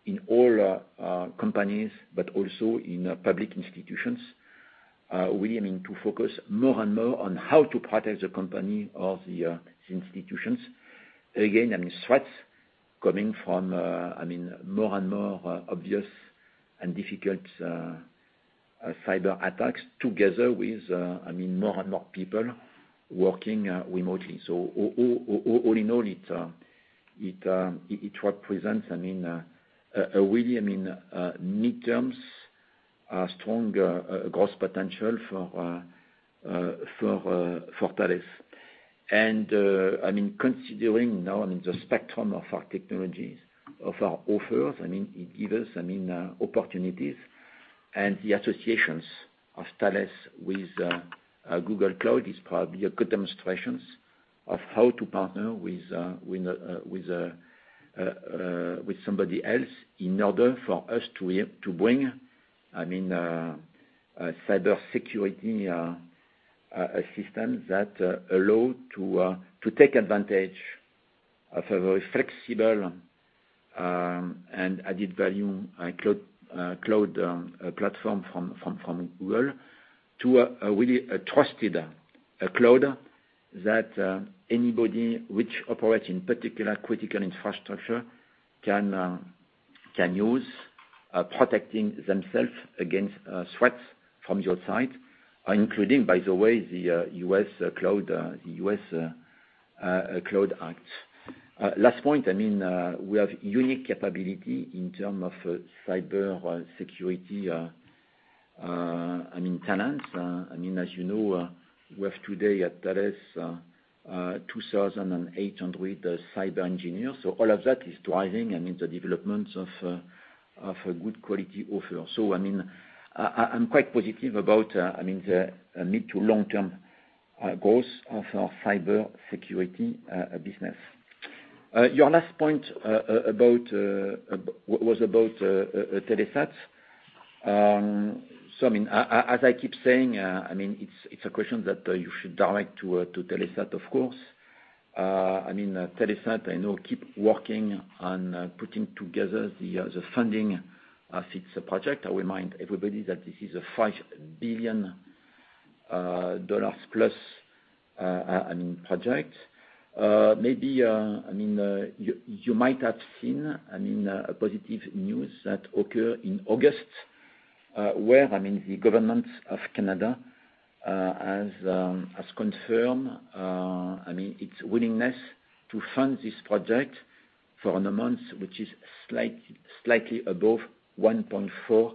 in all companies, but also in public institutions. We are meant to focus more and more on how to protect the company or the institutions. Again, I mean, threats coming from, I mean, more and more obvious and difficult cyberattacks together with, I mean, more and more people working remotely. All in all, it represents, I mean, really, I mean, medium-term's a strong growth potential for Thales. I mean, considering now in the spectrum of our technologies, of our offers, I mean, it give us opportunities and the associations of Thales with Google Cloud is probably a good demonstrations of how to partner with somebody else in order for us to bring, I mean, a cybersecurity system that allow to take advantage of a very flexible and added value cloud platform from Google to a really trusted cloud that anybody which operates in particular critical infrastructure can use, protecting themselves against threats from the outside, including by the way, the U.S. CLOUD Act. Last point, I mean, we have unique capability in terms of cybersecurity, I mean, talents. I mean, as you know, we have today at Thales 2,800 cyber engineers. So all of that is driving, I mean, the developments of a good quality offer. So, I mean, I'm quite positive about, I mean the mid- to long-term growth of our cybersecurity business. Your last point was about Telesat. So I mean, as I keep saying, I mean, it's a question that you should direct to Telesat, of course. I mean, Telesat, I know, keep working on putting together the funding for the project. I remind everybody that this is a $5 billion plus, I mean, project. Maybe, I mean, you might have seen, I mean, a positive news that occur in August, where, I mean, the government of Canada has confirmed, I mean, its willingness to fund this project for an amount which is slightly above 1.4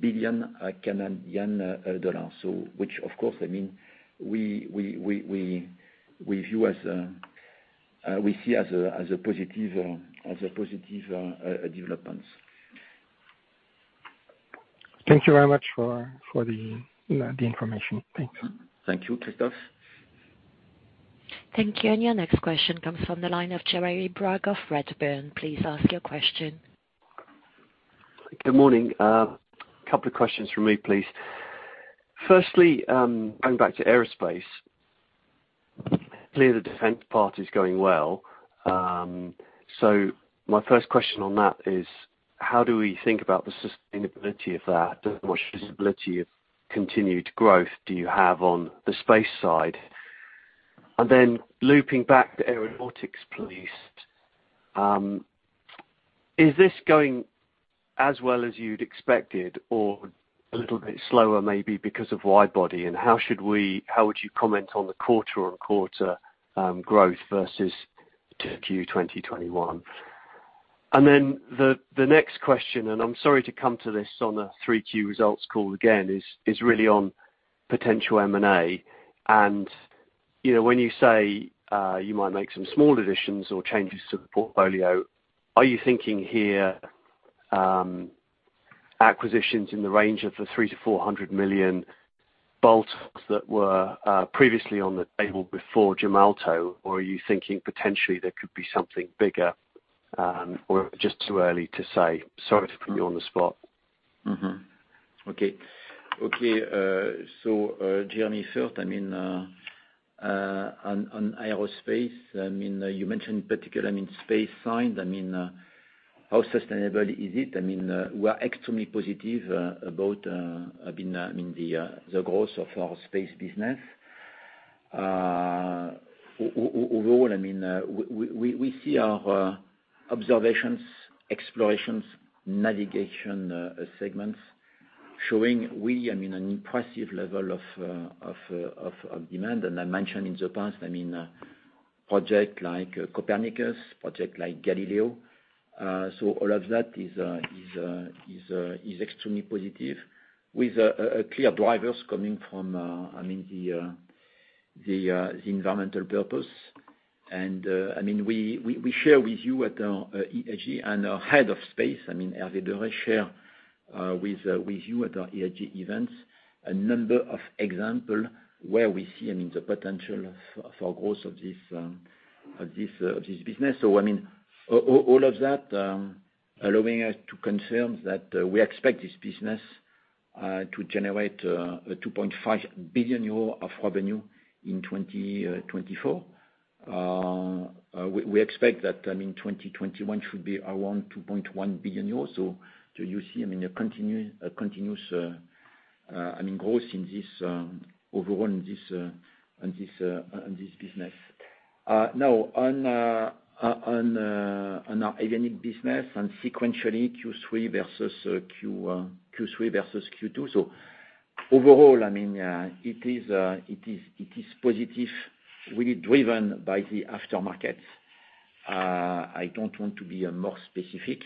billion Canadian dollars. Which of course, I mean, we view as, we see as a positive developments. Thank you very much for the information. Thanks. Thank you. Take care. Thank you. Your next question comes from the line of Jeremy Bragg of Redburn. Please ask your question. Good morning. Couple of questions from me, please. Firstly, going back to aerospace, clearly the defense part is going well. So my first question on that is how do we think about the sustainability of that? What sustainability of continued growth do you have on the space side? Then looping back to aeronautics please, is this going as well as you'd expected or a little bit slower maybe because of wide body? How would you comment on the quarter-on-quarter growth versus to Q 2021? Then the next question, and I'm sorry to come to this on a 3Q results call again, is really on potential M&A. You know, when you say you might make some small additions or changes to the portfolio, are you thinking here acquisitions in the range of the 300 million-400 million that were previously on the table before Gemalto? Or are you thinking potentially there could be something bigger, or just too early to say? Sorry to put you on the spot. So, Jeremy, first, I mean, on aerospace, I mean, you mentioned in particular, I mean, space science. I mean, how sustainable is it? I mean, we are extremely positive about I mean the growth of our space business. Overall, I mean, we see our observations, explorations, navigation segments showing really I mean an impressive level of demand. I mentioned in the past, I mean, projects like Copernicus, projects like Galileo. So all of that is extremely positive with clear drivers coming from I mean the environmental purpose. I mean, we share with you at our EAG and our head of space, I mean, Hervé Derrey shares with you at our EAG events a number of examples where we see, I mean, the potential for growth of this business. I mean, all of that allowing us to confirm that we expect this business to generate 2.5 billion euro of revenue in 2024. We expect that, I mean, 2021 should be around 2.1 billion euros. You see, I mean, a continuous growth in this business overall. Now on our avionics business and sequentially Q3 versus Q2. Overall, I mean, it is positive, really driven by the aftermarket. I don't want to be more specific,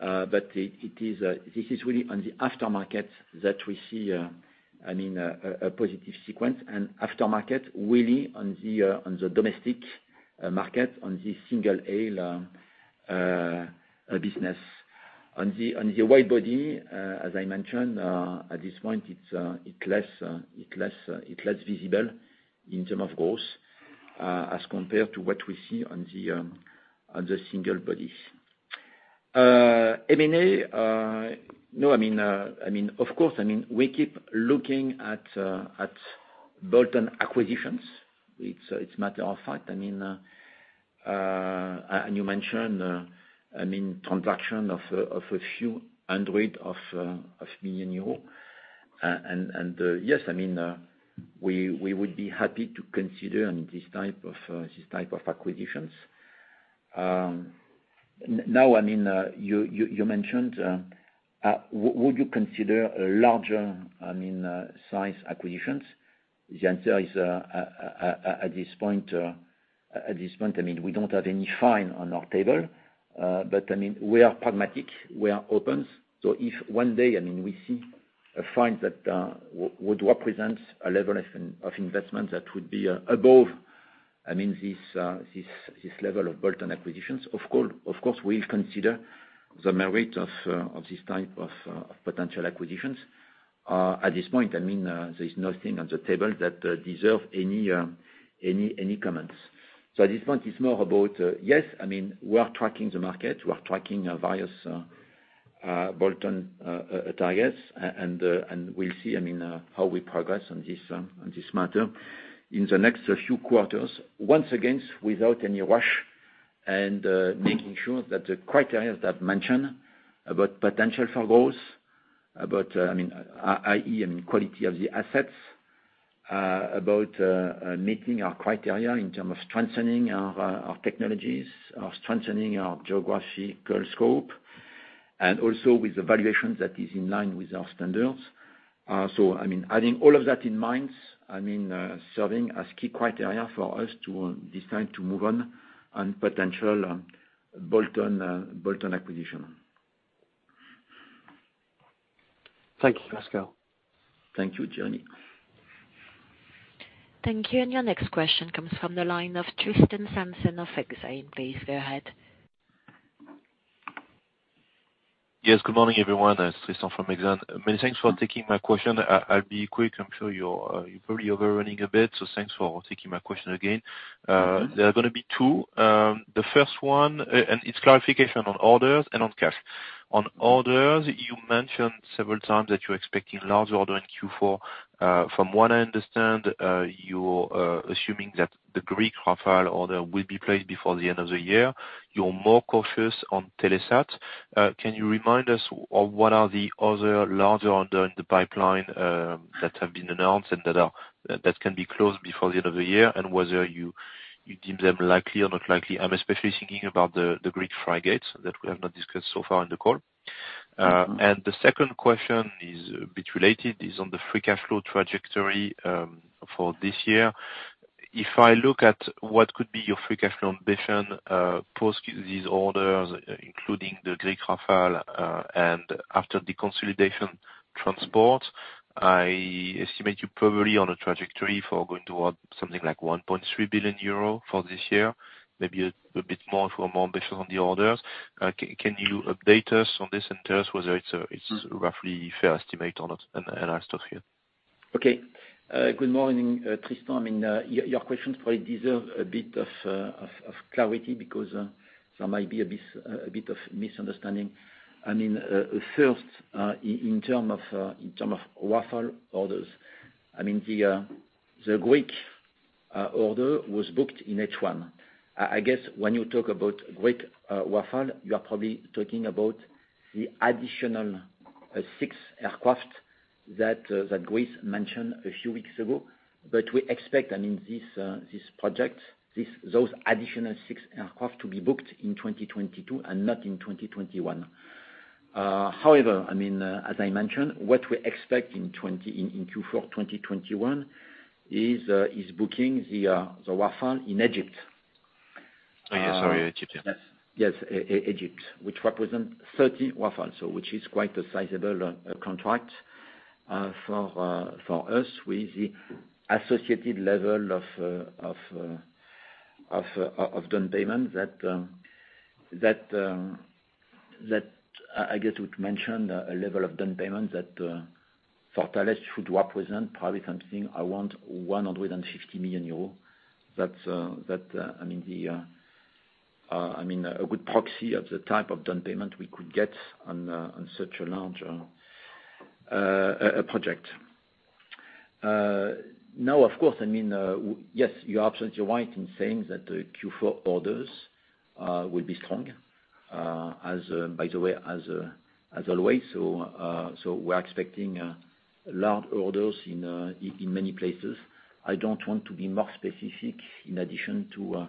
but this is really on the aftermarket that we see, I mean, a positive sequence and aftermarket really on the domestic market, on the single-aisle business. On the widebody, as I mentioned, at this point, it's less visible in terms of growth, as compared to what we see on the single-aisle. M&A, no, I mean, of course, we keep looking at bolt-on acquisitions. It's a matter of fact, I mean, and you mentioned, I mean, transaction of a few hundred million EUR. And yes, I mean, we would be happy to consider this type of acquisitions. Now, I mean, you mentioned, would you consider a larger size acquisitions? The answer is, at this point, I mean, we don't have any file on our table, but I mean, we are pragmatic, we are open. If one day, I mean, we see a file that would represent a level of investment that would be above, I mean, this level of bolt-on acquisitions. Of course, we'll consider the merit of this type of potential acquisitions. At this point, I mean, there is nothing on the table that deserve any comments. At this point, it's more about, yes, I mean, we are tracking the market. We are tracking various bolt-on targets and we'll see, I mean, how we progress on this matter in the next few quarters. Once again, without any rush and making sure that the criteria that I mentioned about potential for growth, about, I mean, i.e., I mean, quality of the assets, about meeting our criteria in terms of strengthening our technologies or strengthening our geographical scope, and also with the valuations that is in line with our standards. I mean, having all of that in mind, I mean, serving as key criteria for us to decide to move on potential bolt-on acquisition. Thank you, Pascal. Thank you, Jeremy. Thank you. Your next question comes from the line of Tristan Sanson of Exane. Please go ahead. Yes, good morning, everyone. It's Tristan from Exane. Many thanks for taking my question. I'll be quick. I'm sure you're probably overrunning a bit, so thanks for taking my question again. Mm-hmm. There are gonna be two. The first one, and it's clarification on orders and on cash. On orders, you mentioned several times that you're expecting large order in Q4. From what I understand, you're assuming that the Greek Rafale order will be placed before the end of the year. You're more cautious on Telesat. Can you remind us of what are the other larger order in the pipeline, that have been announced and that can be closed before the end of the year? And whether you deem them likely or not likely? I'm especially thinking about the Greek frigates that we have not discussed so far in the call. Mm-hmm. The second question is a bit related, is on the free cash flow trajectory for this year. If I look at what could be your free cash flow ambition post these orders, including the Greek Rafale, and after the consolidation transport, I estimate you probably on a trajectory for going toward something like 1.3 billion euro for this year, maybe a bit more if we're more ambitious on the orders. Can you update us on this and tell us whether it's roughly fair estimate or not? I'll stop here. Okay. Good morning, Tristan. I mean, your questions probably deserve a bit of clarity because there might be a bit of misunderstanding. I mean, first, in terms of Rafale orders, I mean, the Greek order was booked in H1. I guess when you talk about Greek Rafale, you are probably talking about the additional six aircraft that Greece mentioned a few weeks ago. We expect, I mean, those additional six aircraft to be booked in 2022 and not in 2021. However, I mean, as I mentioned, what we expect in Q4 2021 is booking the Rafale in Egypt. Oh, yes. Sorry, Egypt, yes. Yes, Egypt, which represent 30 Rafale, which is quite a sizable contract for us with the associated level of down payment that I guess would mention a level of down payment that for Thales should represent probably something around 150 million euros. That's I mean a good proxy of the type of down payment we could get on such a large project. Now, of course, I mean, yes, you are absolutely right in saying that the Q4 orders will be strong, as by the way, as always. So, we're expecting large orders in many places. I don't want to be more specific in addition to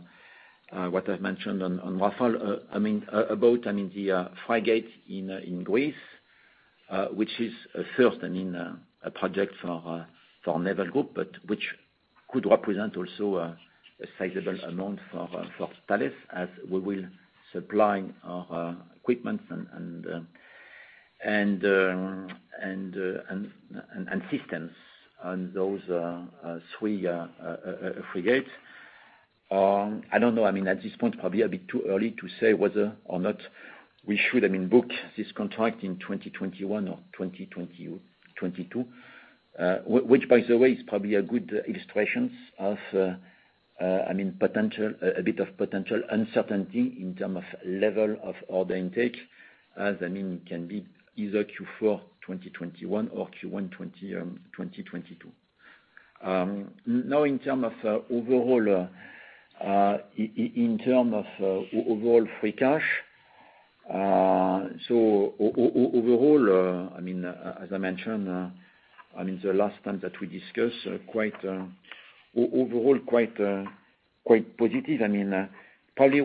what I've mentioned on Rafale. I mean, about the frigate in Greece, which is a first, I mean, a project for Naval Group, but which could represent also a sizable amount for Thales as we will supplying our equipment and systems on those three frigates. I don't know, I mean, at this point, probably a bit too early to say whether or not we should, I mean, book this contract in 2021 or 2022. Which by the way, is probably a good illustration of, I mean, a bit of potential uncertainty in terms of level of order intake, as, I mean, it can be either Q4 2021 or Q1 2022. Now in terms of overall free cash flow, I mean, as I mentioned, I mean, the last time that we discussed, overall quite positive. I mean, probably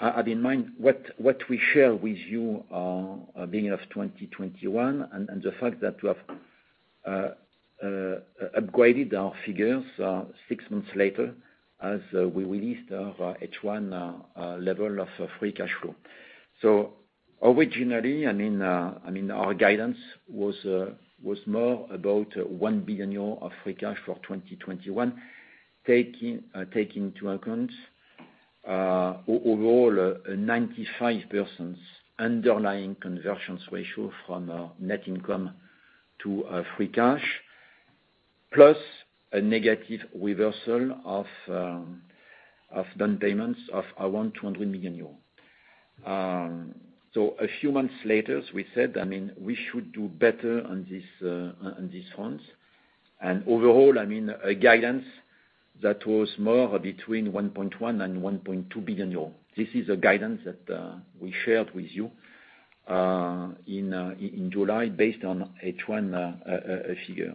have in mind what we shared with you, beginning of 2021 and the fact that we have upgraded our figures six months later as we released our H1 level of free cash flow. Originally, I mean, our guidance was more about 1 billion euro of free cash for 2021, taking into account overall a 95% underlying conversion ratio from net income to free cash, plus a negative reversal of down payments of around 200 million euros. A few months later, as we said, I mean, we should do better on this front. Overall, I mean, a guidance that was more between 1.1 billion and 1.2 billion euros. This is a guidance that we shared with you in July based on H1 figure.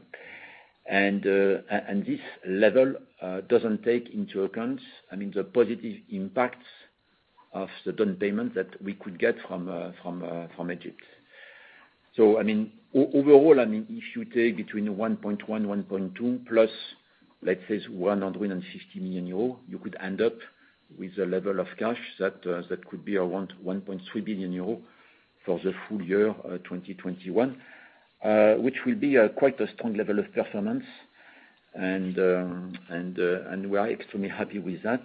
This level doesn't take into account, I mean, the positive impacts of the down payment that we could get from Egypt. Overall, I mean, if you take between 1.1 billion and 1.2 billion, plus 150 million euro, you could end up with a level of cash that could be around 1.3 billion euro for the full year 2021. Which will be quite a strong level of performance and we are extremely happy with that.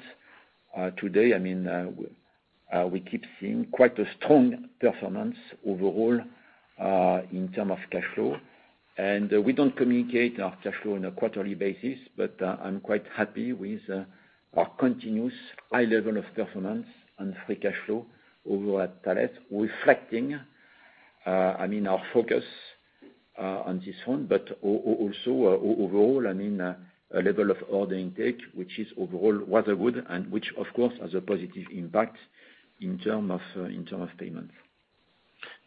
Today we keep seeing quite a strong performance overall in terms of cash flow. We don't communicate our cash flow on a quarterly basis, but I'm quite happy with our continuous high level of performance and free cash flow overall at Thales reflecting, I mean, our focus on this front, but also overall, I mean, a level of order intake which is overall rather good and which of course has a positive impact in terms of payments.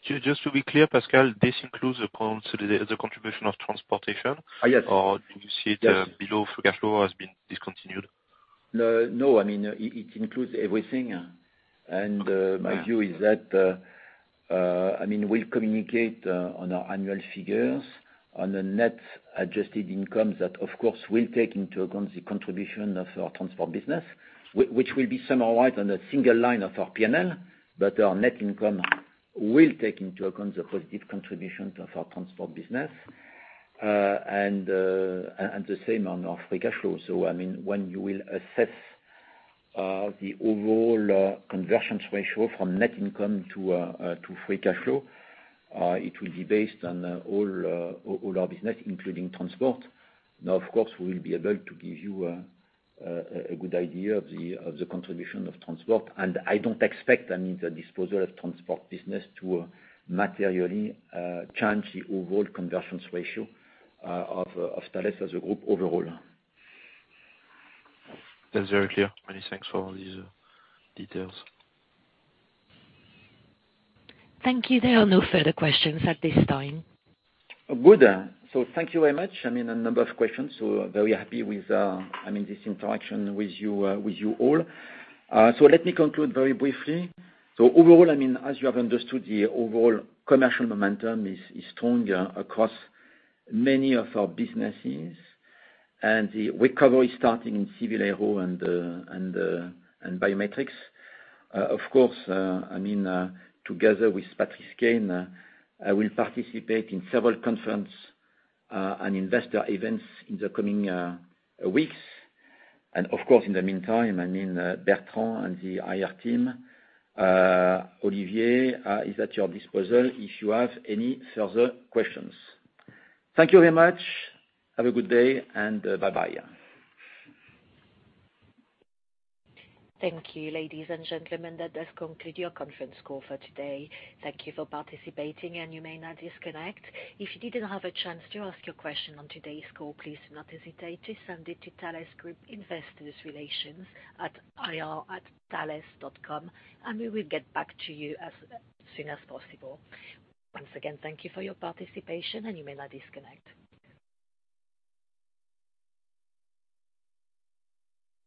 Just to be clear, Pascal, this includes the contribution of transportation? Yes. Do you see it? Yes. Below free cash flow has been discontinued? No, no. I mean, it includes everything. My view is that I mean, we'll communicate on our annual figures on the net adjusted income that of course will take into account the contribution of our transport business, which will be summarized on a single line of our P&L. Our net income will take into account the positive contribution of our transport business, and the same on our free cash flow. I mean, when you will assess the overall conversions ratio from net income to free cash flow, it will be based on all our business, including transport. Now, of course, we will be able to give you a good idea of the contribution of transport, and I don't expect, I mean, the disposal of transport business to materially change the overall conversion ratio of Thales as a group overall. That's very clear. Many thanks for all these details. Thank you. There are no further questions at this time. Good. Thank you very much. I mean, a number of questions, so very happy with this interaction with you all. Let me conclude very briefly. Overall, I mean, as you have understood, the overall commercial momentum is stronger across many of our businesses and the recovery starting in civil aero and biometrics. Of course, I mean, together with Patrice Caine, I will participate in several conferences and investor events in the coming weeks. Of course, in the meantime, I mean, Bertrand and the IR team, Olivier, is at your disposal if you have any further questions. Thank you very much. Have a good day and bye-bye. Thank you, ladies and gentlemen. That does conclude your conference call for today. Thank you for participating, and you may now disconnect. If you didn't have a chance to ask your question on today's call, please do not hesitate to send it to Thales Group Investor Relations at ir@thales.com, and we will get back to you as soon as possible. Once again, thank you for your participation, and you may now disconnect.